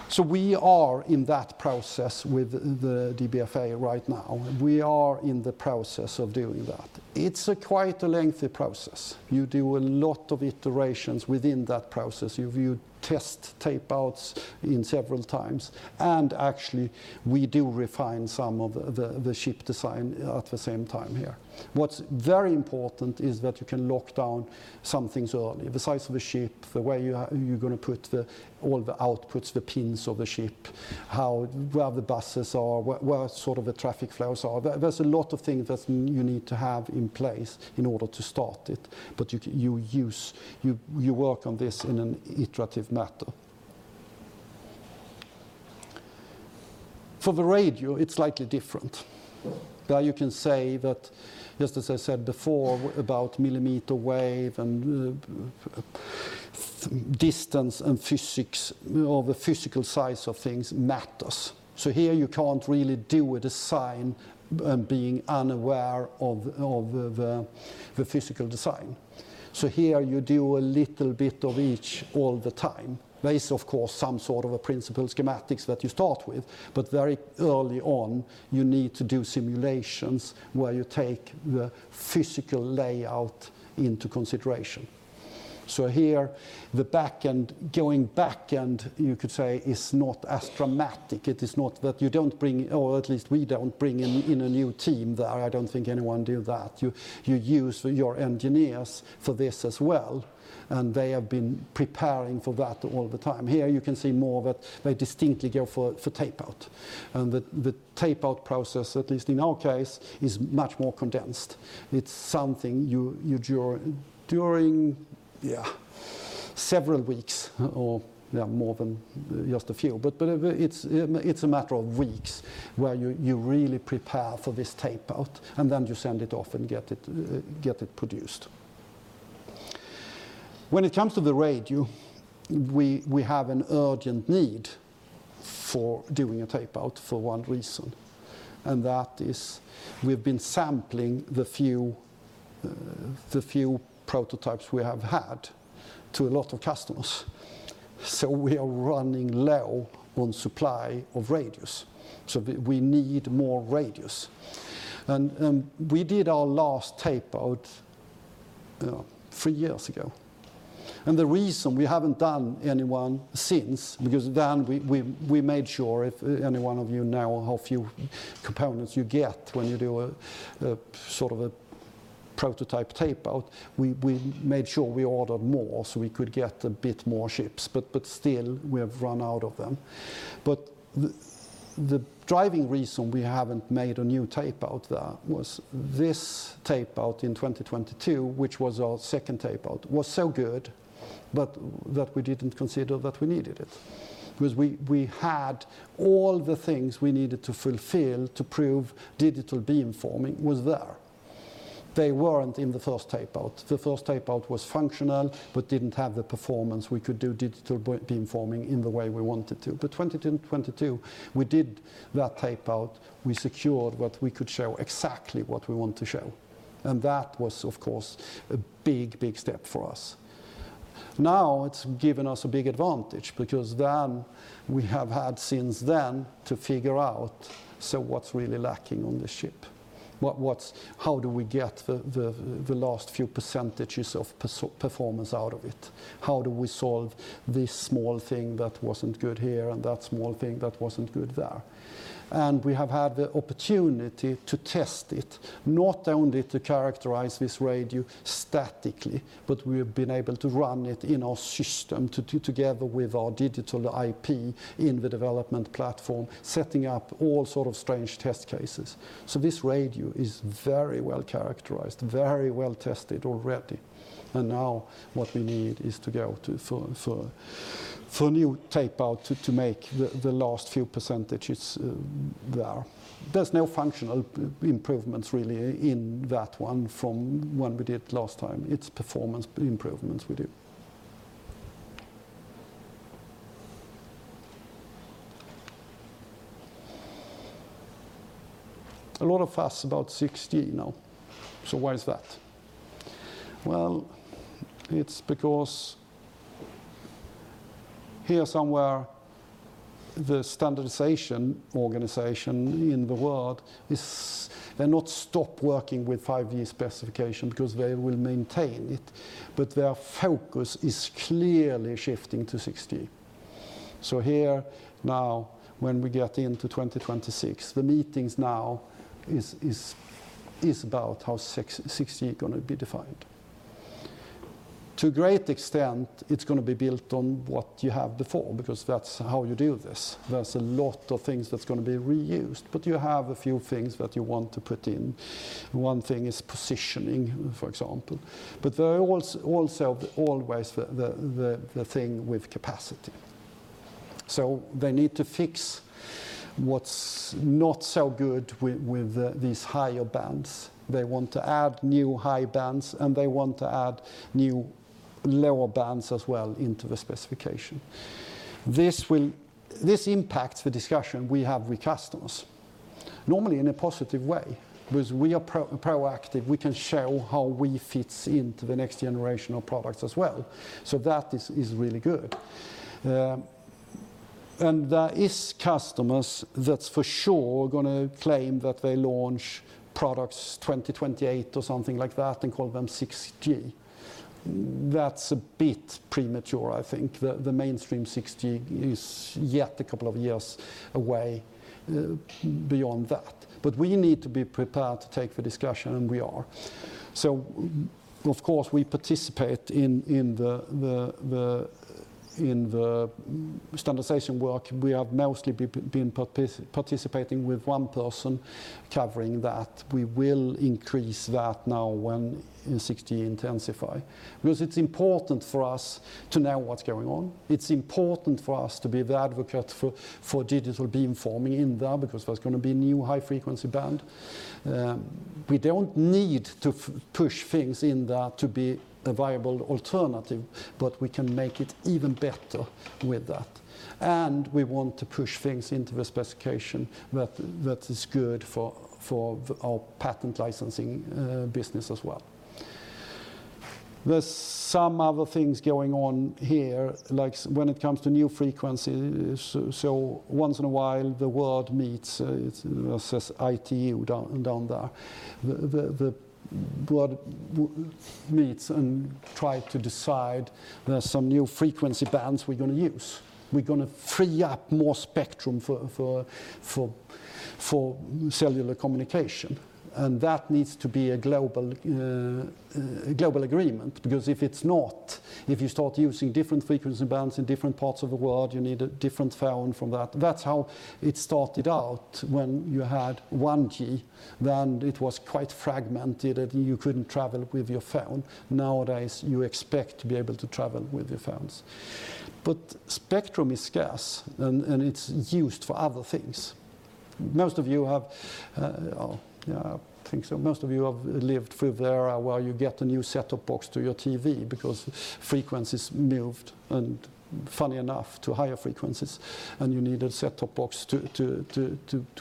So we are in that process with the DBFA right now. We are in the process of doing that. It's quite a lengthy process. You do a lot of iterations within that process. You test tapeouts several times. And actually, we do refine some of the chip design at the same time here. What's very important is that you can lock down some things early, the size of the chip, the way you're going to put all the outputs, the pins of the chip, where the buses are, where sort of the traffic flows are. There's a lot of things that you need to have in place in order to start it. But you work on this in an iterative manner. For the radio, it's slightly different. There you can say that, just as I said before, about millimeter wave and distance and physics or the physical size of things matters. So here you can't really do a design and being unaware of the physical design. So here you do a little bit of each all the time, based of course on some sort of a principal schematics that you start with. But very early on, you need to do simulations where you take the physical layout into consideration. So here, the back-end, going back-end, you could say, is not as dramatic. It is not that you don't bring, or at least we don't bring in a new team there. I don't think anyone does that. You use your engineers for this as well. And they have been preparing for that all the time. Here you can see more of it. They distinctly go for tape-out. And the tape-out process, at least in our case, is much more condensed. It's something you do during, yeah, several weeks or more than just a few. But it's a matter of weeks where you really prepare for this tape-out. And then you send it off and get it produced. When it comes to the radio, we have an urgent need for doing a tape-out for one reason. And that is we've been sampling the few prototypes we have had to a lot of customers. So we are running low on supply of radios. So we need more radios. And we did our last tape-out three years ago. And the reason we haven't done anyone since because then we made sure if any one of you know how few components you get when you do sort of a prototype tape-out, we made sure we ordered more so we could get a bit more chips. But still, we have run out of them. But the driving reason we haven't made a new tape-out there was this tape-out in 2022, which was our second tape-out, was so good that we didn't consider that we needed it. Because we had all the things we needed to fulfill to prove digital beamforming was there. They weren't in the first tape-out. The first tape-out was functional, but didn't have the performance we could do digital beamforming in the way we wanted to. But 2022, we did that tape-out. We secured what we could show, exactly what we want to show. And that was, of course, a big, big step for us. Now it's given us a big advantage. Because then we have had since then to figure out what's really lacking on this chip. How do we get the last few % of performance out of it? How do we solve this small thing that wasn't good here and that small thing that wasn't good there? And we have had the opportunity to test it, not only to characterize this radio statically, but we have been able to run it in our system together with our digital IP in the development platform, setting up all sort of strange test cases. So this radio is very well characterized, very well tested already. And now what we need is to go for a new tape-out to make the last few percentages there. There's no functional improvements really in that one from when we did it last time. It's performance improvements we do. A lot of it's about 60% now. So why is that? Well, it's because here somewhere, the standardization organization in the world is. They're not stopped working with 5G specification because they will maintain it. But their focus is clearly shifting to 60. So here now, when we get into 2026, the meetings now is about how 60 is going to be defined. To a great extent, it's going to be built on what you have before. Because that's how you do this. There's a lot of things that's going to be reused. But you have a few things that you want to put in. One thing is positioning, for example. But there are also always the thing with capacity. So they need to fix what's not so good with these higher bands. They want to add new high bands. And they want to add new lower bands as well into the specification. This impacts the discussion we have with customers, normally in a positive way. Because we are proactive. We can show how we fit into the next generation of products as well. So that is really good. There are customers that's for sure going to claim that they launch products 2028 or something like that and call them 6G. That's a bit premature, I think. The mainstream 6G is yet a couple of years away beyond that. We need to be prepared to take the discussion. We are. Of course, we participate in the standardization work. We have mostly been participating with one person covering that. We will increase that now when 6G intensifies. It's important for us to know what's going on. It's important for us to be the advocate for digital beamforming in there. There's going to be a new high-frequency band. We don't need to push things in there to be a viable alternative. We can make it even better with that. And we want to push things into the specification that is good for our patent licensing business as well. There's some other things going on here, like when it comes to new frequency. So once in a while, the world meets. There's ITU down there. The world meets and tries to decide there's some new frequency bands we're going to use. We're going to free up more spectrum for cellular communication. And that needs to be a global agreement. Because if it's not, if you start using different frequency bands in different parts of the world, you need a different phone from that. That's how it started out when you had 1G. Then it was quite fragmented. And you couldn't travel with your phone. Nowadays, you expect to be able to travel with your phones. But spectrum is scarce. And it's used for other things. Most of you have, I think, lived through the era where you get a new set-top box to your TV because frequency's moved, funny enough, to higher frequencies. You need a set-top box to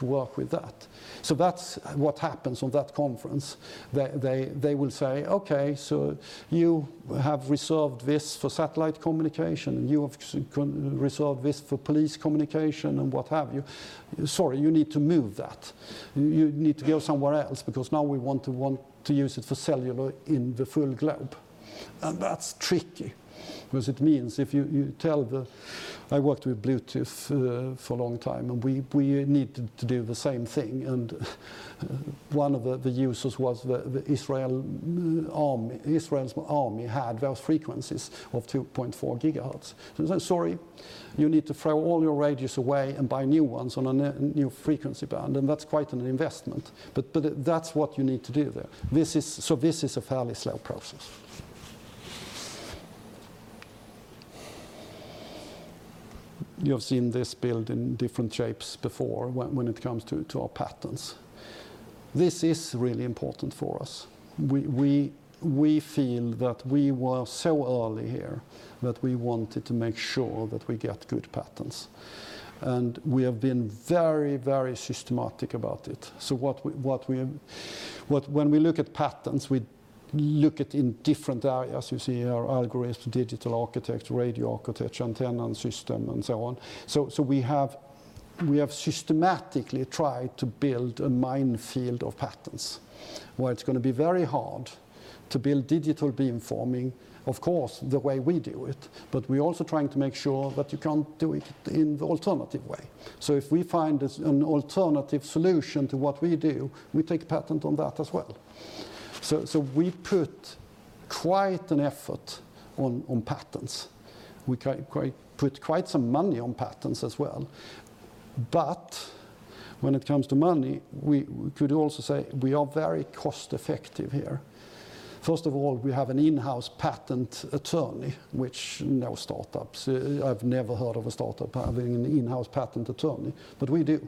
work with that. That's what happens on that conference. They will say, "OK, so you have resolved this for satellite communication. You have resolved this for police communication and what have you. Sorry, you need to move that. You need to go somewhere else because now we want to use it for cellular in the full globe." That's tricky because it means if you tell the ITU, I worked with Bluetooth for a long time. We needed to do the same thing. One of the users was Israel's army had those frequencies of 2.4 gigahertz. So they said, "Sorry, you need to throw all your radios away and buy new ones on a new frequency band. And that's quite an investment. But that's what you need to do there." So this is a fairly slow process. You have seen this built in different shapes before when it comes to our patents. This is really important for us. We feel that we were so early here that we wanted to make sure that we get good patents. And we have been very, very systematic about it. So when we look at patents, we look at in different areas. You see our algorithm, digital architecture, radio architecture, antenna system, and so on. So we have systematically tried to build a minefield of patents where it's going to be very hard to build digital beamforming, of course, the way we do it. But we're also trying to make sure that you can't do it in the alternative way. So if we find an alternative solution to what we do, we take patent on that as well. So we put quite an effort on patents. We put quite some money on patents as well. But when it comes to money, we could also say we are very cost-effective here. First of all, we have an in-house patent attorney, which no startup I've ever heard of having an in-house patent attorney. But we do.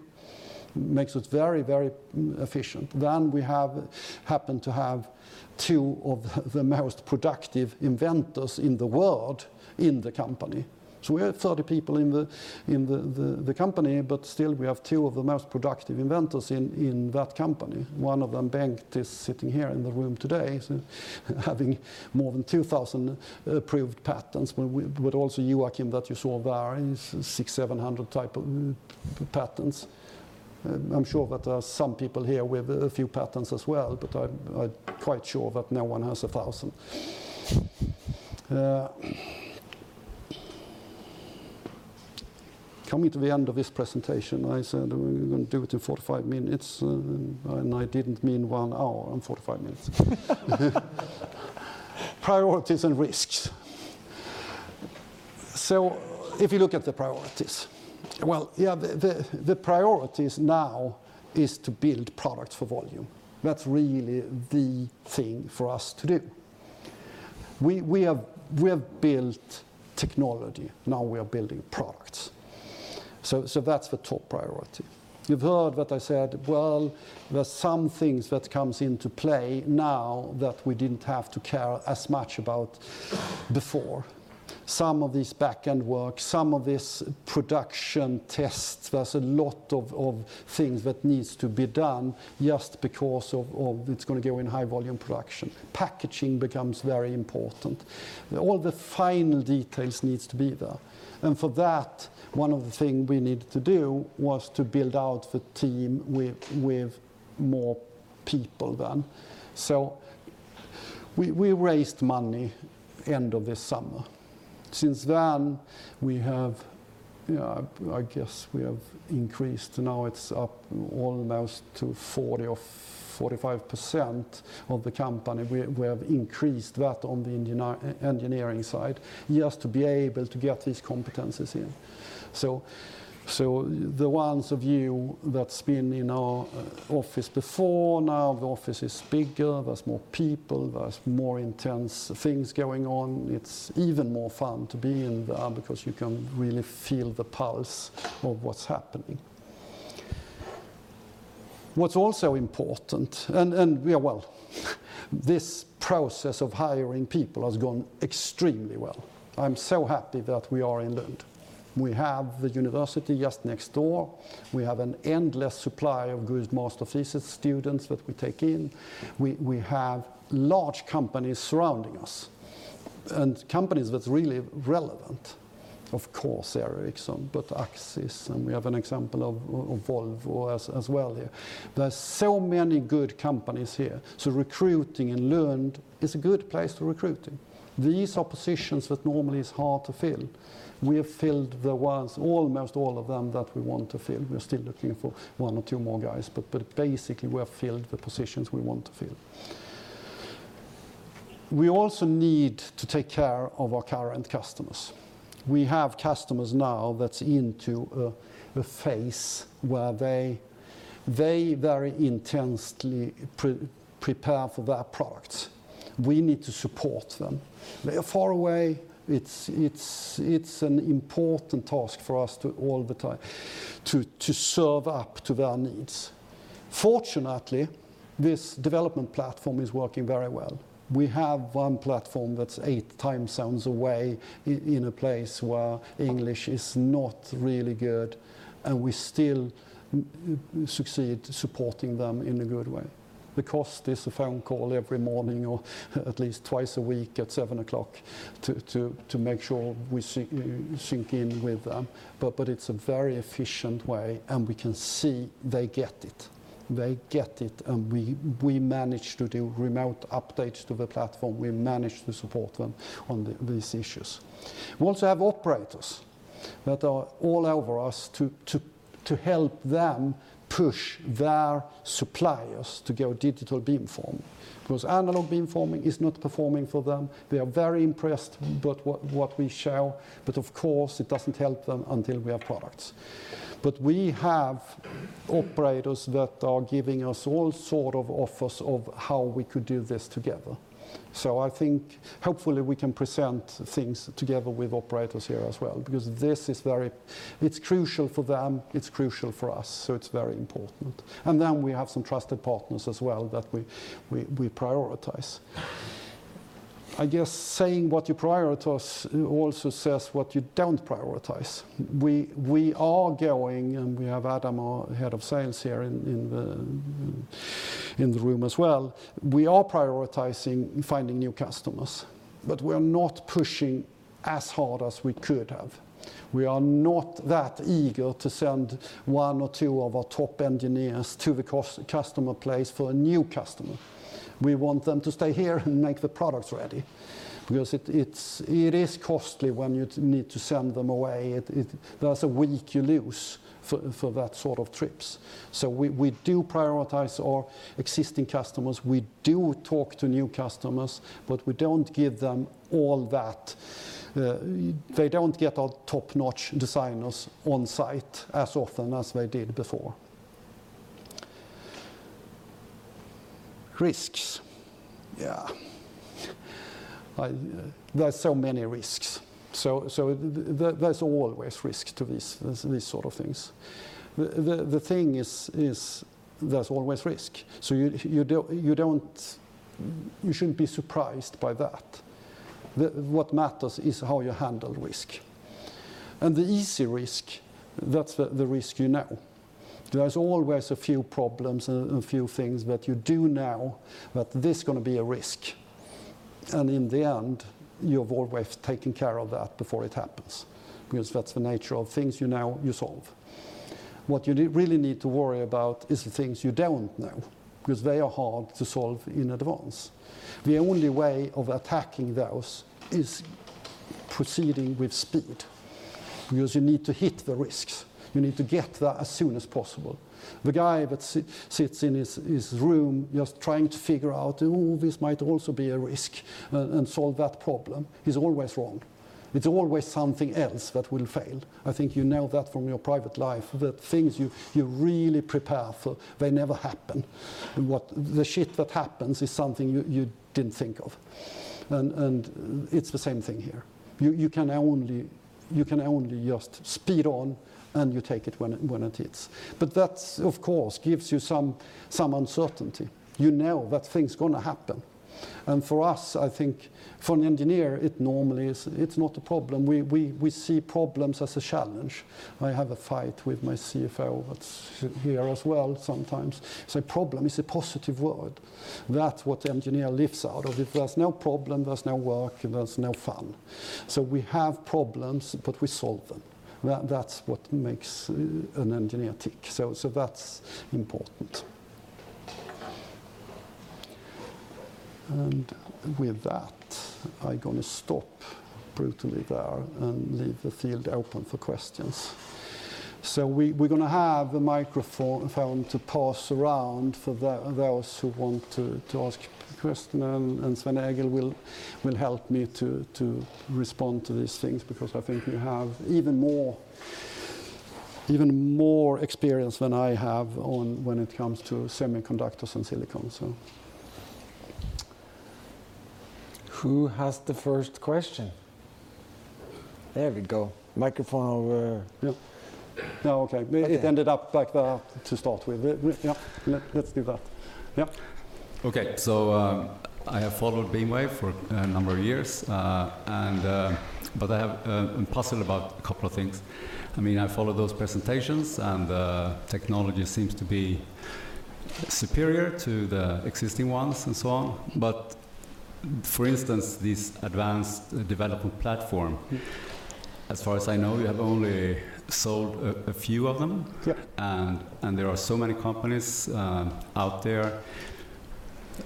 It makes us very, very efficient. Then we happen to have two of the most productive inventors in the world in the company. So we have 30 people in the company. But still, we have two of the most productive inventors in that company. One of them, Bengt, is sitting here in the room today, having more than 2,000 approved patents, but also Joachim, that you saw there, is 600, 700 type of patents. I'm sure that there are some people here with a few patents as well, but I'm quite sure that no one has 1,000. Coming to the end of this presentation, I said we're going to do it in 45 minutes, and I didn't mean one hour and 45 minutes. Priorities and risks, so if you look at the priorities, well, yeah, the priorities now is to build products for volume. That's really the thing for us to do. We have built technology. Now we are building products. So that's the top priority. You've heard what I said, well, there's some things that come into play now that we didn't have to care as much about before. Some of this back-end work, some of this production tests, there's a lot of things that need to be done just because it's going to go in high-volume production. Packaging becomes very important. All the final details need to be there, and for that, one of the things we needed to do was to build out the team with more people than. We raised money at the end of this summer. Since then, I guess we have increased. Now it's up almost to 40% or 45% of the company. We have increased that on the engineering side just to be able to get these competencies in, so the ones of you that's been in our office before, now the office is bigger. There's more people. There's more intense things going on. It's even more fun to be in there because you can really feel the pulse of what's happening. What's also important? Well, this process of hiring people has gone extremely well. I'm so happy that we are in Lund. We have the university just next door. We have an endless supply of good master thesis students that we take in. We have large companies surrounding us and companies that's really relevant, of course, Ericsson, but Axis. And we have an example of Volvo as well here. There's so many good companies here. So recruiting in Lund is a good place to recruit. These are positions that normally is hard to fill. We have filled almost all of them that we want to fill. We're still looking for one or two more guys. But basically, we have filled the positions we want to fill. We also need to take care of our current customers. We have customers now that's into a phase where they very intensely prepare for their products. We need to support them. They are far away. It's an important task for us to serve up to their needs. Fortunately, this development platform is working very well. We have one platform that's eight time zones away in a place where English is not really good, and we still succeed supporting them in a good way. The cost is a phone call every morning or at least twice a week at 7:00 A.M. to make sure we sync in with them, but it's a very efficient way, and we can see they get it. They get it, and we manage to do remote updates to the platform. We manage to support them on these issues. We also have operators that are all over us to help them push their suppliers to go digital beamforming. Because analog beamforming is not performing for them. They are very impressed with what we show. But of course, it doesn't help them until we have products. But we have operators that are giving us all sort of offers of how we could do this together. So I think, hopefully, we can present things together with operators here as well. Because this is very, it's crucial for them. It's crucial for us. So it's very important. And then we have some trusted partners as well that we prioritize. I guess saying what you prioritize also says what you don't prioritize. We are going, and we have Adam, our Head of Sales here in the room as well. We are prioritizing finding new customers. But we are not pushing as hard as we could have. We are not that eager to send one or two of our top engineers to the customer place for a new customer. We want them to stay here and make the products ready. Because it is costly when you need to send them away. There's a week you lose for that sort of trips. So we do prioritize our existing customers. We do talk to new customers. But we don't give them all that. They don't get our top-notch designers on site as often as they did before. Risks. Yeah. There's so many risks. So there's always risk to these sort of things. The thing is, there's always risk. So you shouldn't be surprised by that. What matters is how you handle risk. And the easy risk, that's the risk you know. There's always a few problems and a few things that you do know that this is going to be a risk. In the end, you've always taken care of that before it happens. Because that's the nature of things you know you solve. What you really need to worry about is the things you don't know. Because they are hard to solve in advance. The only way of attacking those is proceeding with speed. Because you need to hit the risks. You need to get there as soon as possible. The guy that sits in his room just trying to figure out, oh, this might also be a risk and solve that problem, he's always wrong. It's always something else that will fail. I think you know that from your private life, that things you really prepare for, they never happen. The shit that happens is something you didn't think of. And it's the same thing here. You can only just speed on. And you take it when it hits. But that, of course, gives you some uncertainty. You know that thing's going to happen. And for us, I think for an engineer, it normally is not a problem. We see problems as a challenge. I have a fight with my CFO that's here as well sometimes. He said, "Problem is a positive word." That's what the engineer lives out of. If there's no problem, there's no work. There's no fun. So we have problems. But we solve them. That's what makes an engineer tick. So that's important. And with that, I'm going to stop brutally there and leave the field open for questions. We're going to have a microphone to pass around for those who want to ask questions. And Svein-Egil will help me to respond to these things. Because I think you have even more experience than I have when it comes to semiconductors and silicon. Who has the first question? There we go. Microphone over. Yeah. OK. It ended up back there to start with. Yeah. OK. I have followed BeammWave for a number of years. But I have puzzled about a couple of things. I mean, I follow those presentations. And technology seems to be superior to the existing ones and so on. But for instance, this Advanced Development Platform, as far as I know, you have only sold a few of them. And there are so many companies out there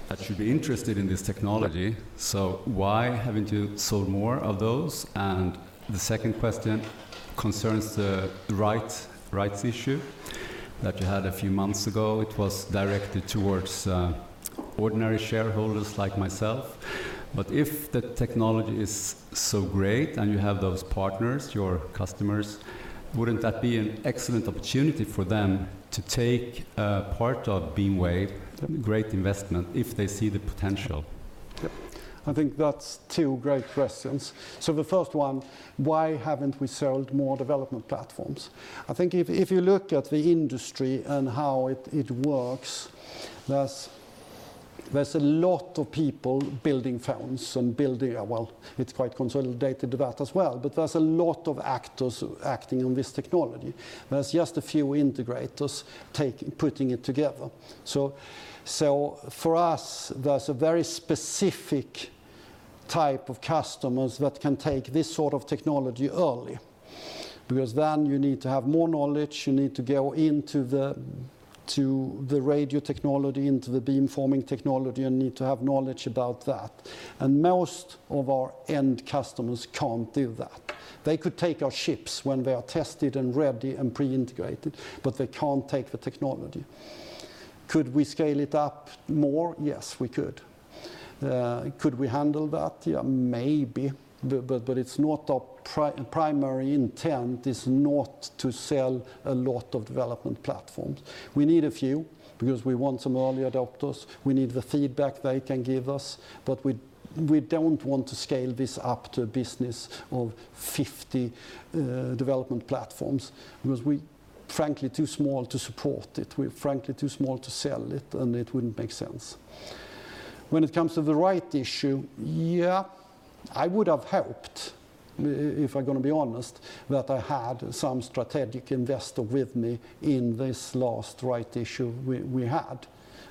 that should be interested in this technology. So why haven't you sold more of those? And the second question concerns the rights issue that you had a few months ago. It was directed towards ordinary shareholders like myself. But if the technology is so great and you have those partners, your customers, wouldn't that be an excellent opportunity for them to take part of BeammWave, a great investment, if they see the potential? I think that's two great questions. So the first one, why haven't we sold more development platforms? I think if you look at the industry and how it works, there's a lot of people building phones and building well, it's quite consolidated that as well. But there's a lot of actors acting on this technology. There's just a few integrators putting it together. So for us, there's a very specific type of customers that can take this sort of technology early. Because then you need to have more knowledge. You need to go into the radio technology, into the beamforming technology. And you need to have knowledge about that. And most of our end customers can't do that. They could take our chips when they are tested and ready and pre-integrated. But they can't take the technology. Could we scale it up more? Yes, we could. Could we handle that? Yeah, maybe. But it's not our primary intent to sell a lot of development platforms. We need a few. Because we want some early adopters. We need the feedback they can give us. But we don't want to scale this up to a business of 50 development platforms. Because we're frankly too small to support it. We're frankly too small to sell it. And it wouldn't make sense. When it comes to the rights issue, yeah, I would have hoped, if I'm going to be honest, that I had some strategic investor with me in this last rights issue we had.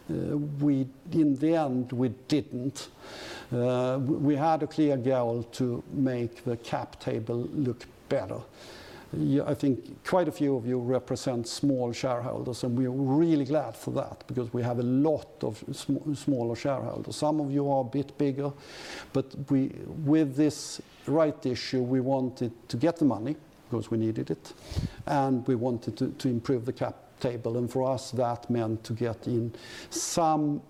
In the end, we didn't. We had a clear goal to make the cap table look better. I think quite a few of you represent small shareholders. And we're really glad for that. Because we have a lot of smaller shareholders. Some of you are a bit bigger. But with this rights issue, we wanted to get the money. Because we needed it. And we wanted to improve the cap table. And for us, that meant to get in some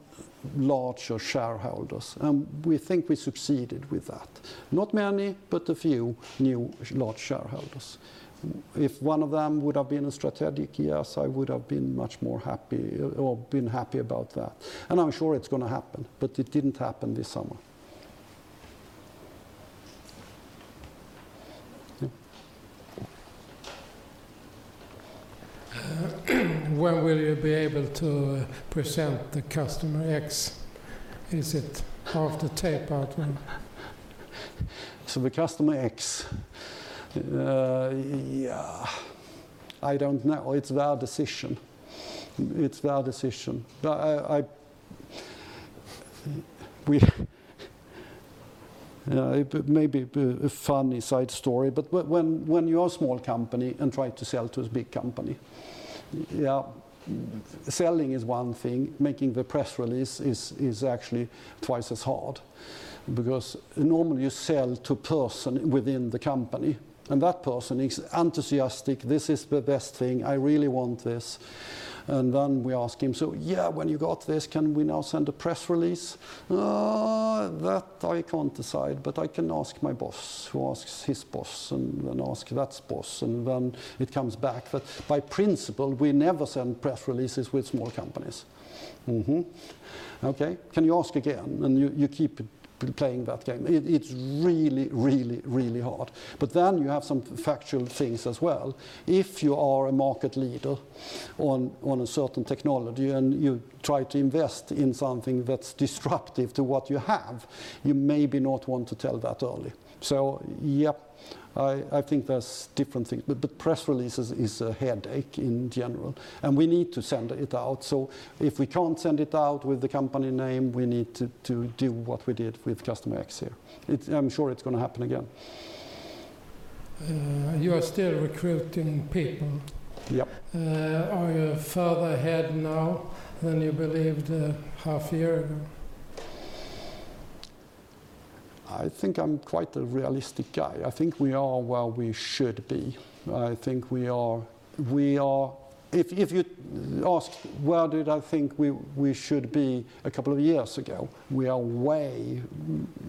larger shareholders. And we think we succeeded with that. Not many, but a few new large shareholders. If one of them would have been a strategic yes, I would have been much more happy or been happy about that, and I'm sure it's going to happen, but it didn't happen this summer. When will you be able to present the Customer X? Is it after tape-out? So the Customer X, yeah, I don't know. It's their decision. It's their decision. Maybe a funny side story, but when you are a small company and try to sell to a big company, yeah, selling is one thing. Making the press release is actually twice as hard. Because normally you sell to a person within the company. And that person is enthusiastic. This is the best thing. I really want this. And then we ask him, so yeah, when you got this, can we now send a press release? That I can't decide. But I can ask my boss, who asks his boss, and then ask that boss. And then it comes back. But by principle, we never send press releases with small companies. OK. Can you ask again? And you keep playing that game. It's really, really, really hard. But then you have some factual things as well. If you are a market leader on a certain technology and you try to invest in something that's disruptive to what you have, you maybe not want to tell that early. So yeah, I think there's different things. But press releases is a headache in general. And we need to send it out. So if we can't send it out with the company name, we need to do what we did with customer X here. I'm sure it's going to happen again. You are still recruiting people. Are you further ahead now than you believed half a year ago? I think I'm quite a realistic guy. I think we are where we should be. I think we are if you ask where did I think we should be a couple of years ago, we are way,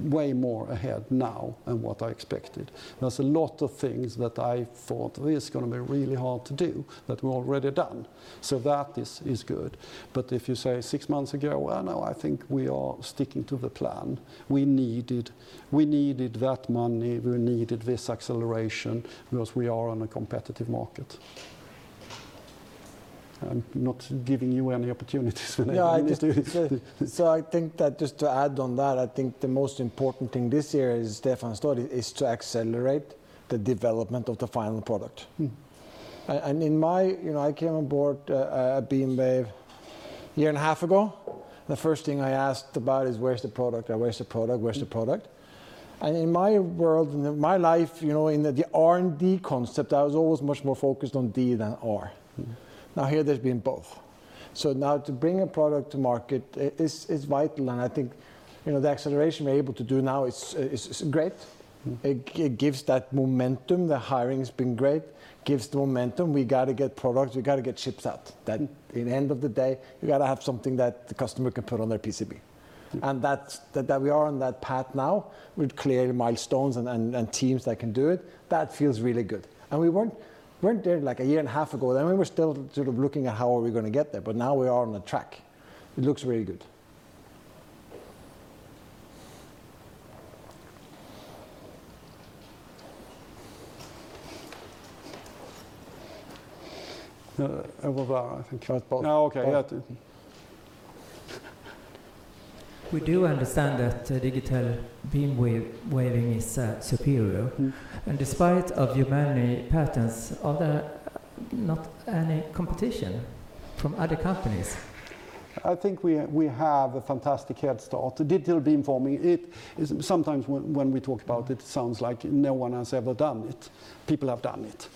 way more ahead now than what I expected. There's a lot of things that I thought is going to be really hard to do that we're already done. So that is good. But if you say six months ago, I know I think we are sticking to the plan. We needed that money. We needed this acceleration. Because we are on a competitive market. I'm not giving you any opportunities. Yeah, I think so. I think that just to add on that, I think the most important thing this year is Stefan's strategy is to accelerate the development of the final product. And I came on board at BeammWave a year and a half ago. The first thing I asked about is, where's the product? And where's the product? Where's the product? And in my world, in my life, in the R&D concept, I was always much more focused on D than R. Now here there's been both. So now to bring a product to market is vital. And I think the acceleration we're able to do now is great. It gives that momentum. The hiring has been great. Gives the momentum. We've got to get products. We've got to get chips out. That at the end of the day, you've got to have something that the customer can put on their PCB. And that we are on that path now with clear milestones and teams that can do it. That feels really good. And we weren't there like a year and a half ago. Then we were still sort of looking at how are we going to get there. But now we are on a track. It looks really good. We do understand that digital beamforming is superior. And despite of your many patents, are there not any competition from other companies? I think we have a fantastic head start. Digital beamforming, sometimes when we talk about it, it sounds like no one has ever done it. People have done it.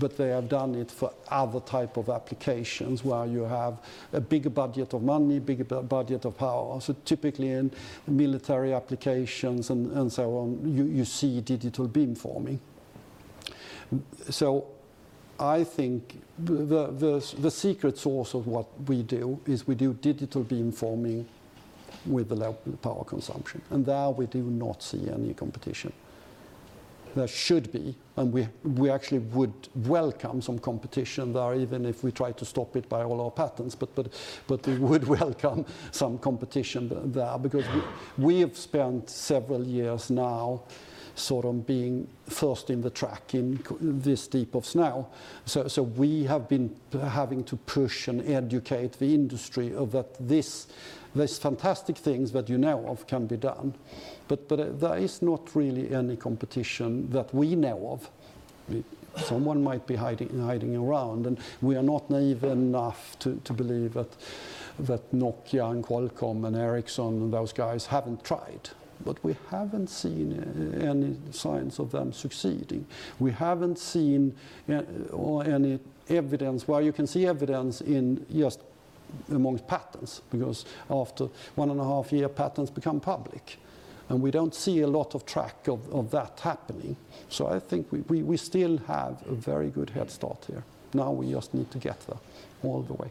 But they have done it for other types of applications where you have a bigger budget of money, bigger budget of power. So typically in military applications and so on, you see digital beamforming. So I think the secret sauce of what we do is we do digital beamforming with the low power consumption. And there we do not see any competition. There should be. And we actually would welcome some competition there, even if we try to stop it by all our patents. But we would welcome some competition there. Because we have spent several years now sort of being first in the track in this deep of snow. So we have been having to push and educate the industry of that these fantastic things that you know of can be done. But there is not really any competition that we know of. Someone might be hiding around. We are not naive enough to believe that Nokia and Qualcomm and Ericsson and those guys haven't tried. We haven't seen any signs of them succeeding. We haven't seen any evidence where you can see evidence in just among patents. Because after one and a half years, patents become public. We don't see a lot of track of that happening. I think we still have a very good head start here. Now we just need to get there all the way.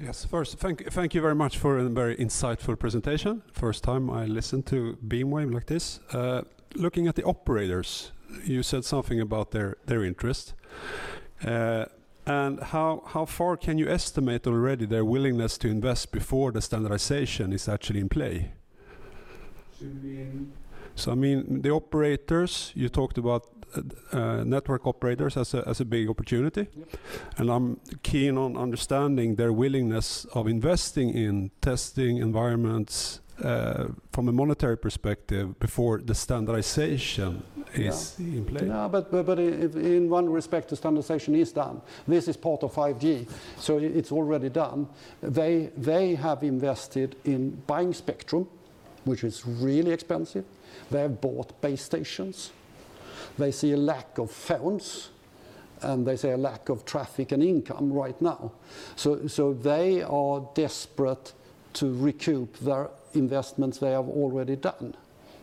Yes, first, thank you very much for a very insightful presentation. First time I listen to BeammWave like this. Looking at the operators, you said something about their interest. How far can you estimate already their willingness to invest before the standardization is actually in play? I mean, the operators, you talked about network operators as a big opportunity. I'm keen on understanding their willingness of investing in testing environments from a monetary perspective before the standardization is in play. No, but in one respect, the standardization is done. This is part of 5G. So it's already done. They have invested in buying spectrum, which is really expensive. They have bought base stations. They see a lack of phones. And they see a lack of traffic and income right now. So they are desperate to recoup their investments they have already done.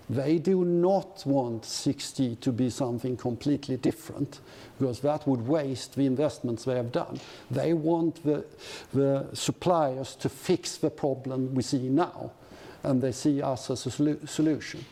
They do not want 6G to be something completely different. Because that would waste the investments they have done. They want the suppliers to fix the problem we see now. And they see us as a solution.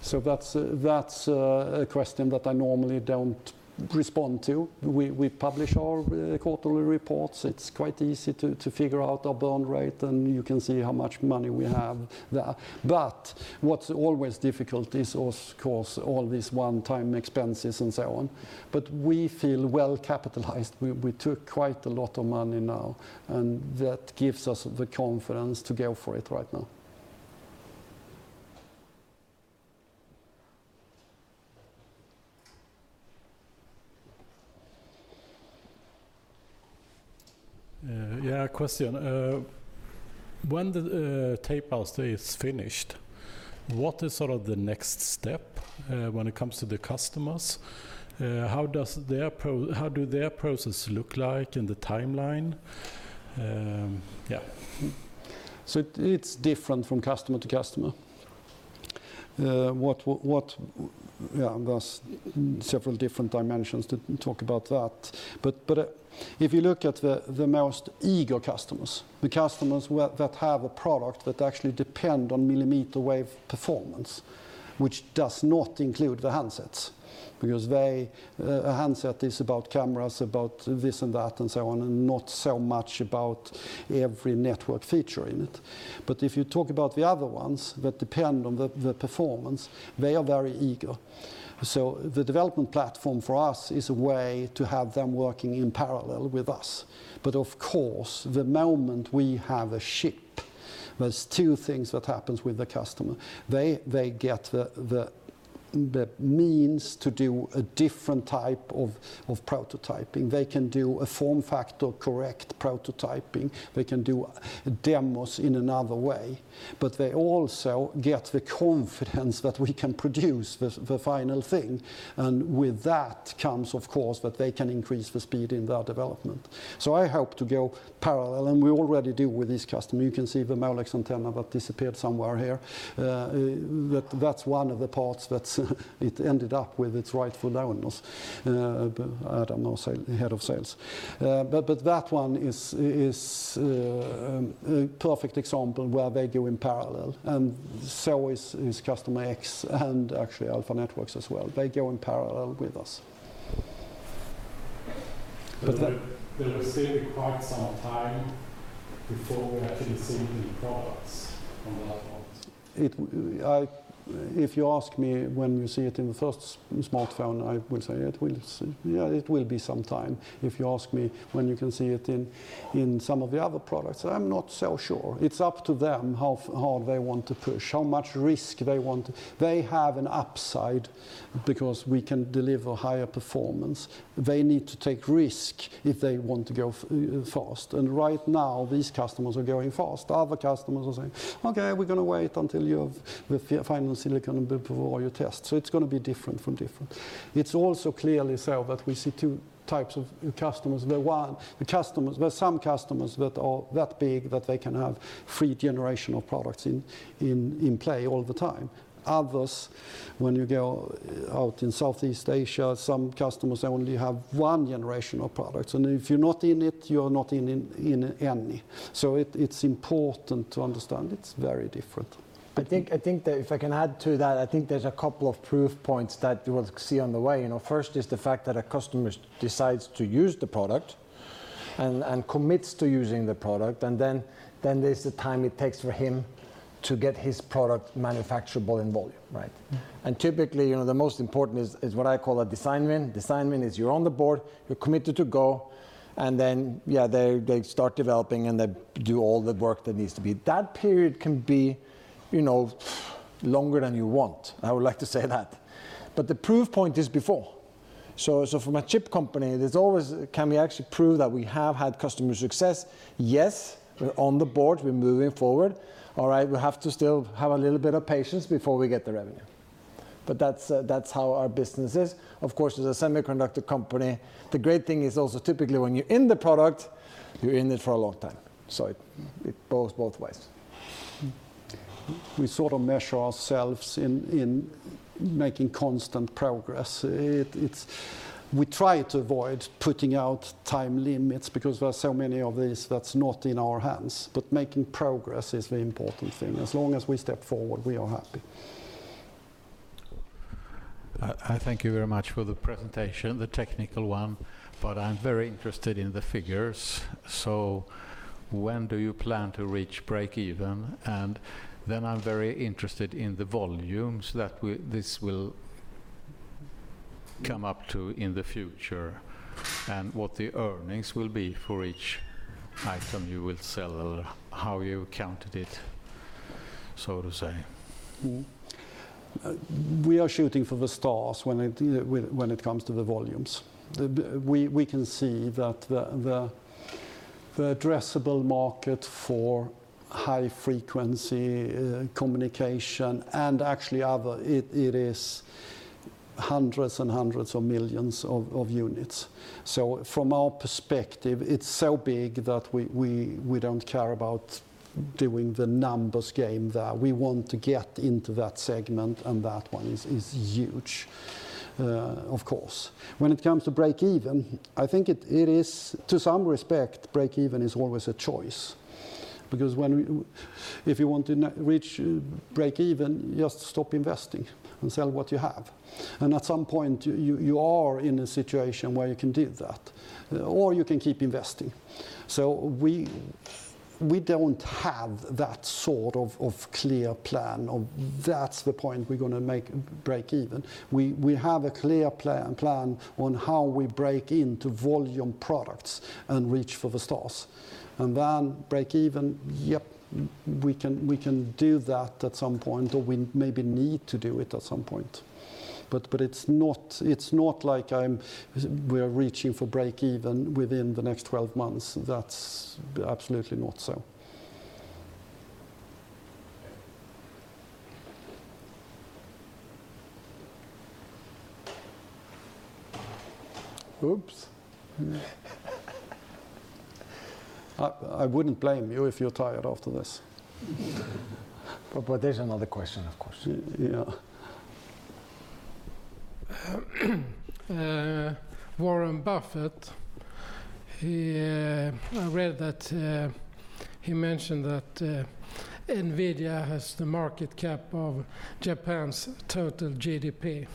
So they invite us to their suppliers. They invite us to do demonstrations, to do talks in order to influence. For them, it's crucial to get what they already invested in to get it functional. OK, thank you. Another question, if I may. It's related to the projected burn rate after the investments that you have now. I mean, you're capitalized, yes. But for how long? So that's a question that I normally don't respond to. We publish our quarterly reports. It's quite easy to figure out our burn rate. And you can see how much money we have there. But what's always difficult is, of course, all these one-time expenses and so on. But we feel well capitalized. We took quite a lot of money now. And that gives us the confidence to go for it right now. Yeah, question. When the tape-out is finished, what is sort of the next step when it comes to the customers? How do their processes look like in the timeline? Yeah. So it's different from customer to customer. There's several different dimensions to talk about that. But if you look at the most eager customers, the customers that have a product that actually depends on millimeter wave performance, which does not include the handsets. Because a handset is about cameras, about this and that and so on, and not so much about every network feature in it. But if you talk about the other ones that depend on the performance, they are very eager. So the development platform for us is a way to have them working in parallel with us. But of course, the moment we have a chip, there's two things that happen with the customer. They get the means to do a different type of prototyping. They can do a form factor correct prototyping. They can do demos in another way. But they also get the confidence that we can produce the final thing. And with that comes, of course, that they can increase the speed in their development. So I hope to go parallel. And we already do with these customers. You can see the Molex antenna that disappeared somewhere here. That's one of the parts that it ended up with its rightful owners, Adam Noll, Head of Sales. But that one is a perfect example where they go in parallel. And so is customer X and actually Alpha Networks as well. They go in parallel with us. But there will still be quite some time before we actually see the products on the platforms. If you ask me when we see it in the first smartphone, I will say it will be some time. If you ask me when you can see it in some of the other products, I'm not so sure. It's up to them how hard they want to push, how much risk they want. They have an upside because we can deliver higher performance. They need to take risk if they want to go fast. And right now, these customers are going fast. Other customers are saying, OK, we're going to wait until you have the final silicon before you test. So it's going to be different from different. It's also clearly so that we see two types of customers. There are some customers that are that big that they can have three generations of products in play all the time. Others, when you go out in Southeast Asia, some customers only have one generation of products. And if you're not in it, you're not in any. It's important to understand it's very different. I think that if I can add to that, I think there's a couple of proof points that you will see on the way. First is the fact that a customer decides to use the product and commits to using the product. Then there's the time it takes for him to get his product manufacturable in volume. Typically, the most important is what I call a design win. Design win is you're on the board. You're committed to go. Then yeah, they start developing. They do all the work that needs to be. That period can be longer than you want. I would like to say that. But the proof point is before. From a chip company, there's always can we actually prove that we have had customer success? Yes, we're on the board. We're moving forward. All right, we have to still have a little bit of patience before we get the revenue. But that's how our business is. Of course, as a semiconductor company, the great thing is also typically when you're in the product, you're in it for a long time. So it goes both ways. We sort of measure ourselves in making constant progress. We try to avoid putting out time limits. Because there are so many of these that's not in our hands. But making progress is the important thing. As long as we step forward, we are happy. I thank you very much for the presentation, the technical one. But I'm very interested in the figures. So when do you plan to reach break even? And then I'm very interested in the volumes that this will come up to in the future. What the earnings will be for each item you will sell or how you counted it, so to say. We are shooting for the stars when it comes to the volumes. We can see that the addressable market for high-frequency communication and actually other, it is hundreds and hundreds of millions of units. From our perspective, it's so big that we don't care about doing the numbers game there. We want to get into that segment. That one is huge, of course. When it comes to break even, I think it is. To some respect, break even is always a choice. Because if you want to reach break even, just stop investing and sell what you have. At some point, you are in a situation where you can do that. You can keep investing. So we don't have that sort of clear plan of that's the point we're going to make break even. We have a clear plan on how we break into volume products and reach for the stars. And then break even, yep, we can do that at some point. Or we maybe need to do it at some point. But it's not like we're reaching for break even within the next 12 months. That's absolutely not so. Oops. I wouldn't blame you if you're tired after this. But there's another question, of course. Yeah. Warren Buffett, I read that he mentioned that NVIDIA has the market cap of Japan's total GDP.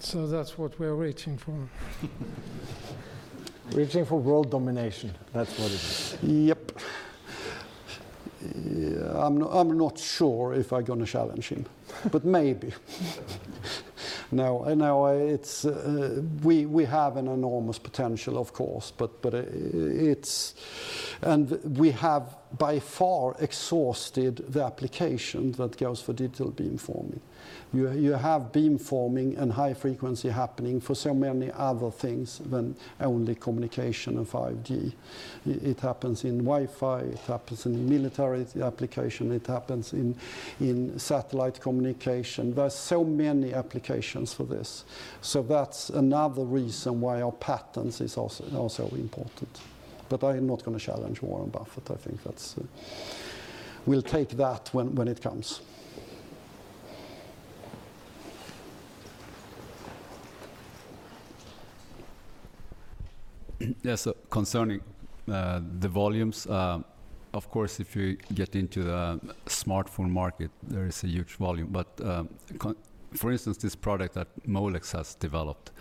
So that's what we're reaching for. Reaching for world domination. That's what it is. Yep. I'm not sure if I'm going to challenge him. But maybe. Now, we have an enormous potential, of course. And we have by far exhausted the application that goes for digital beamforming. You have beamforming and high-frequency happening for so many other things than only communication and 5G. It happens in Wi-Fi. It happens in military application. It happens in satellite communication. There's so many applications for this. So that's another reason why our patents are so important. But I'm not going to challenge Warren Buffett. I think we'll take that when it comes. Yeah, so concerning the volumes, of course, if you get into the smartphone market, there is a huge volume. But for instance, this product that Molex has developed,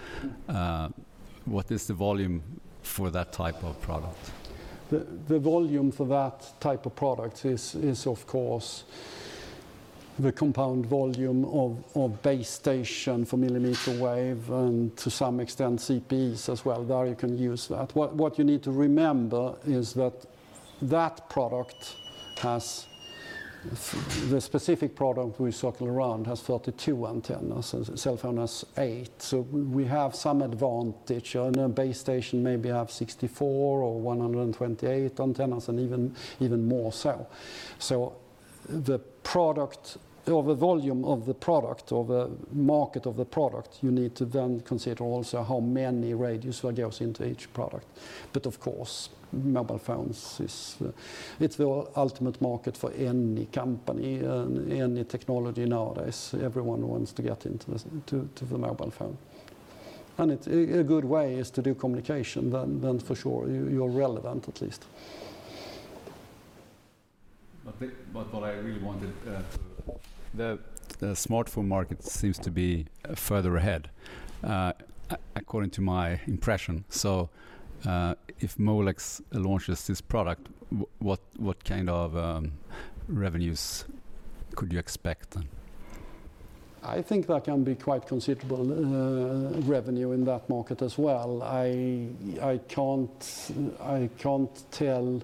what is the volume for that type of product? The volume for that type of product is, of course, the compound volume of base station for millimeter wave and to some extent CPEs as well. There you can use that. What you need to remember is that that product has the specific product we circle around has 32 antennas. A cell phone has eight. So we have some advantage, and a base station maybe have 64 or 128 antennas and even more so. So the product or the volume of the product or the market of the product, you need to then consider also how many radios will go into each product. But of course, mobile phones is the ultimate market for any company and any technology nowadays. Everyone wants to get into the mobile phone, and a good way is to do communication. Then for sure, you're relevant at least, but what I really wanted to. The smartphone market seems to be further ahead, according to my impression, so if Molex launches this product, what kind of revenues could you expect then? I think there can be quite considerable revenue in that market as well. I can't tell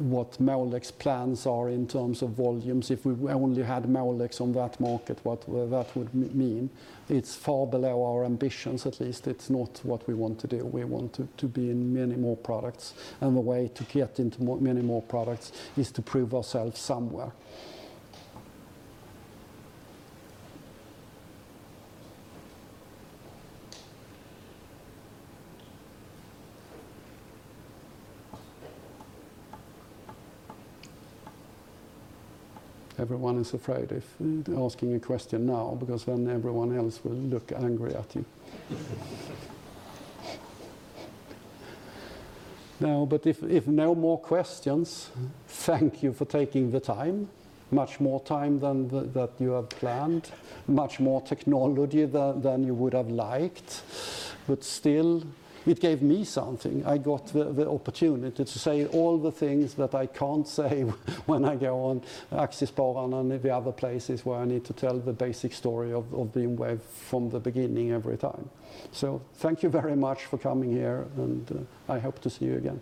what Molex's plans are in terms of volumes. If we only had Molex on that market, what that would mean. It's far below our ambitions, at least. It's not what we want to do. We want to be in many more products, and the way to get into many more products is to prove ourselves somewhere. Everyone is afraid of asking a question now. Because then everyone else will look angry at you. Now, but if no more questions, thank you for taking the time. Much more time than you have planned. Much more technology than you would have liked, but still, it gave me something. I got the opportunity to say all the things that I can't say when I go on Aktiespararna and the other places where I need to tell the basic story of BeammWave from the beginning every time, so thank you very much for coming here, and I hope to see you again.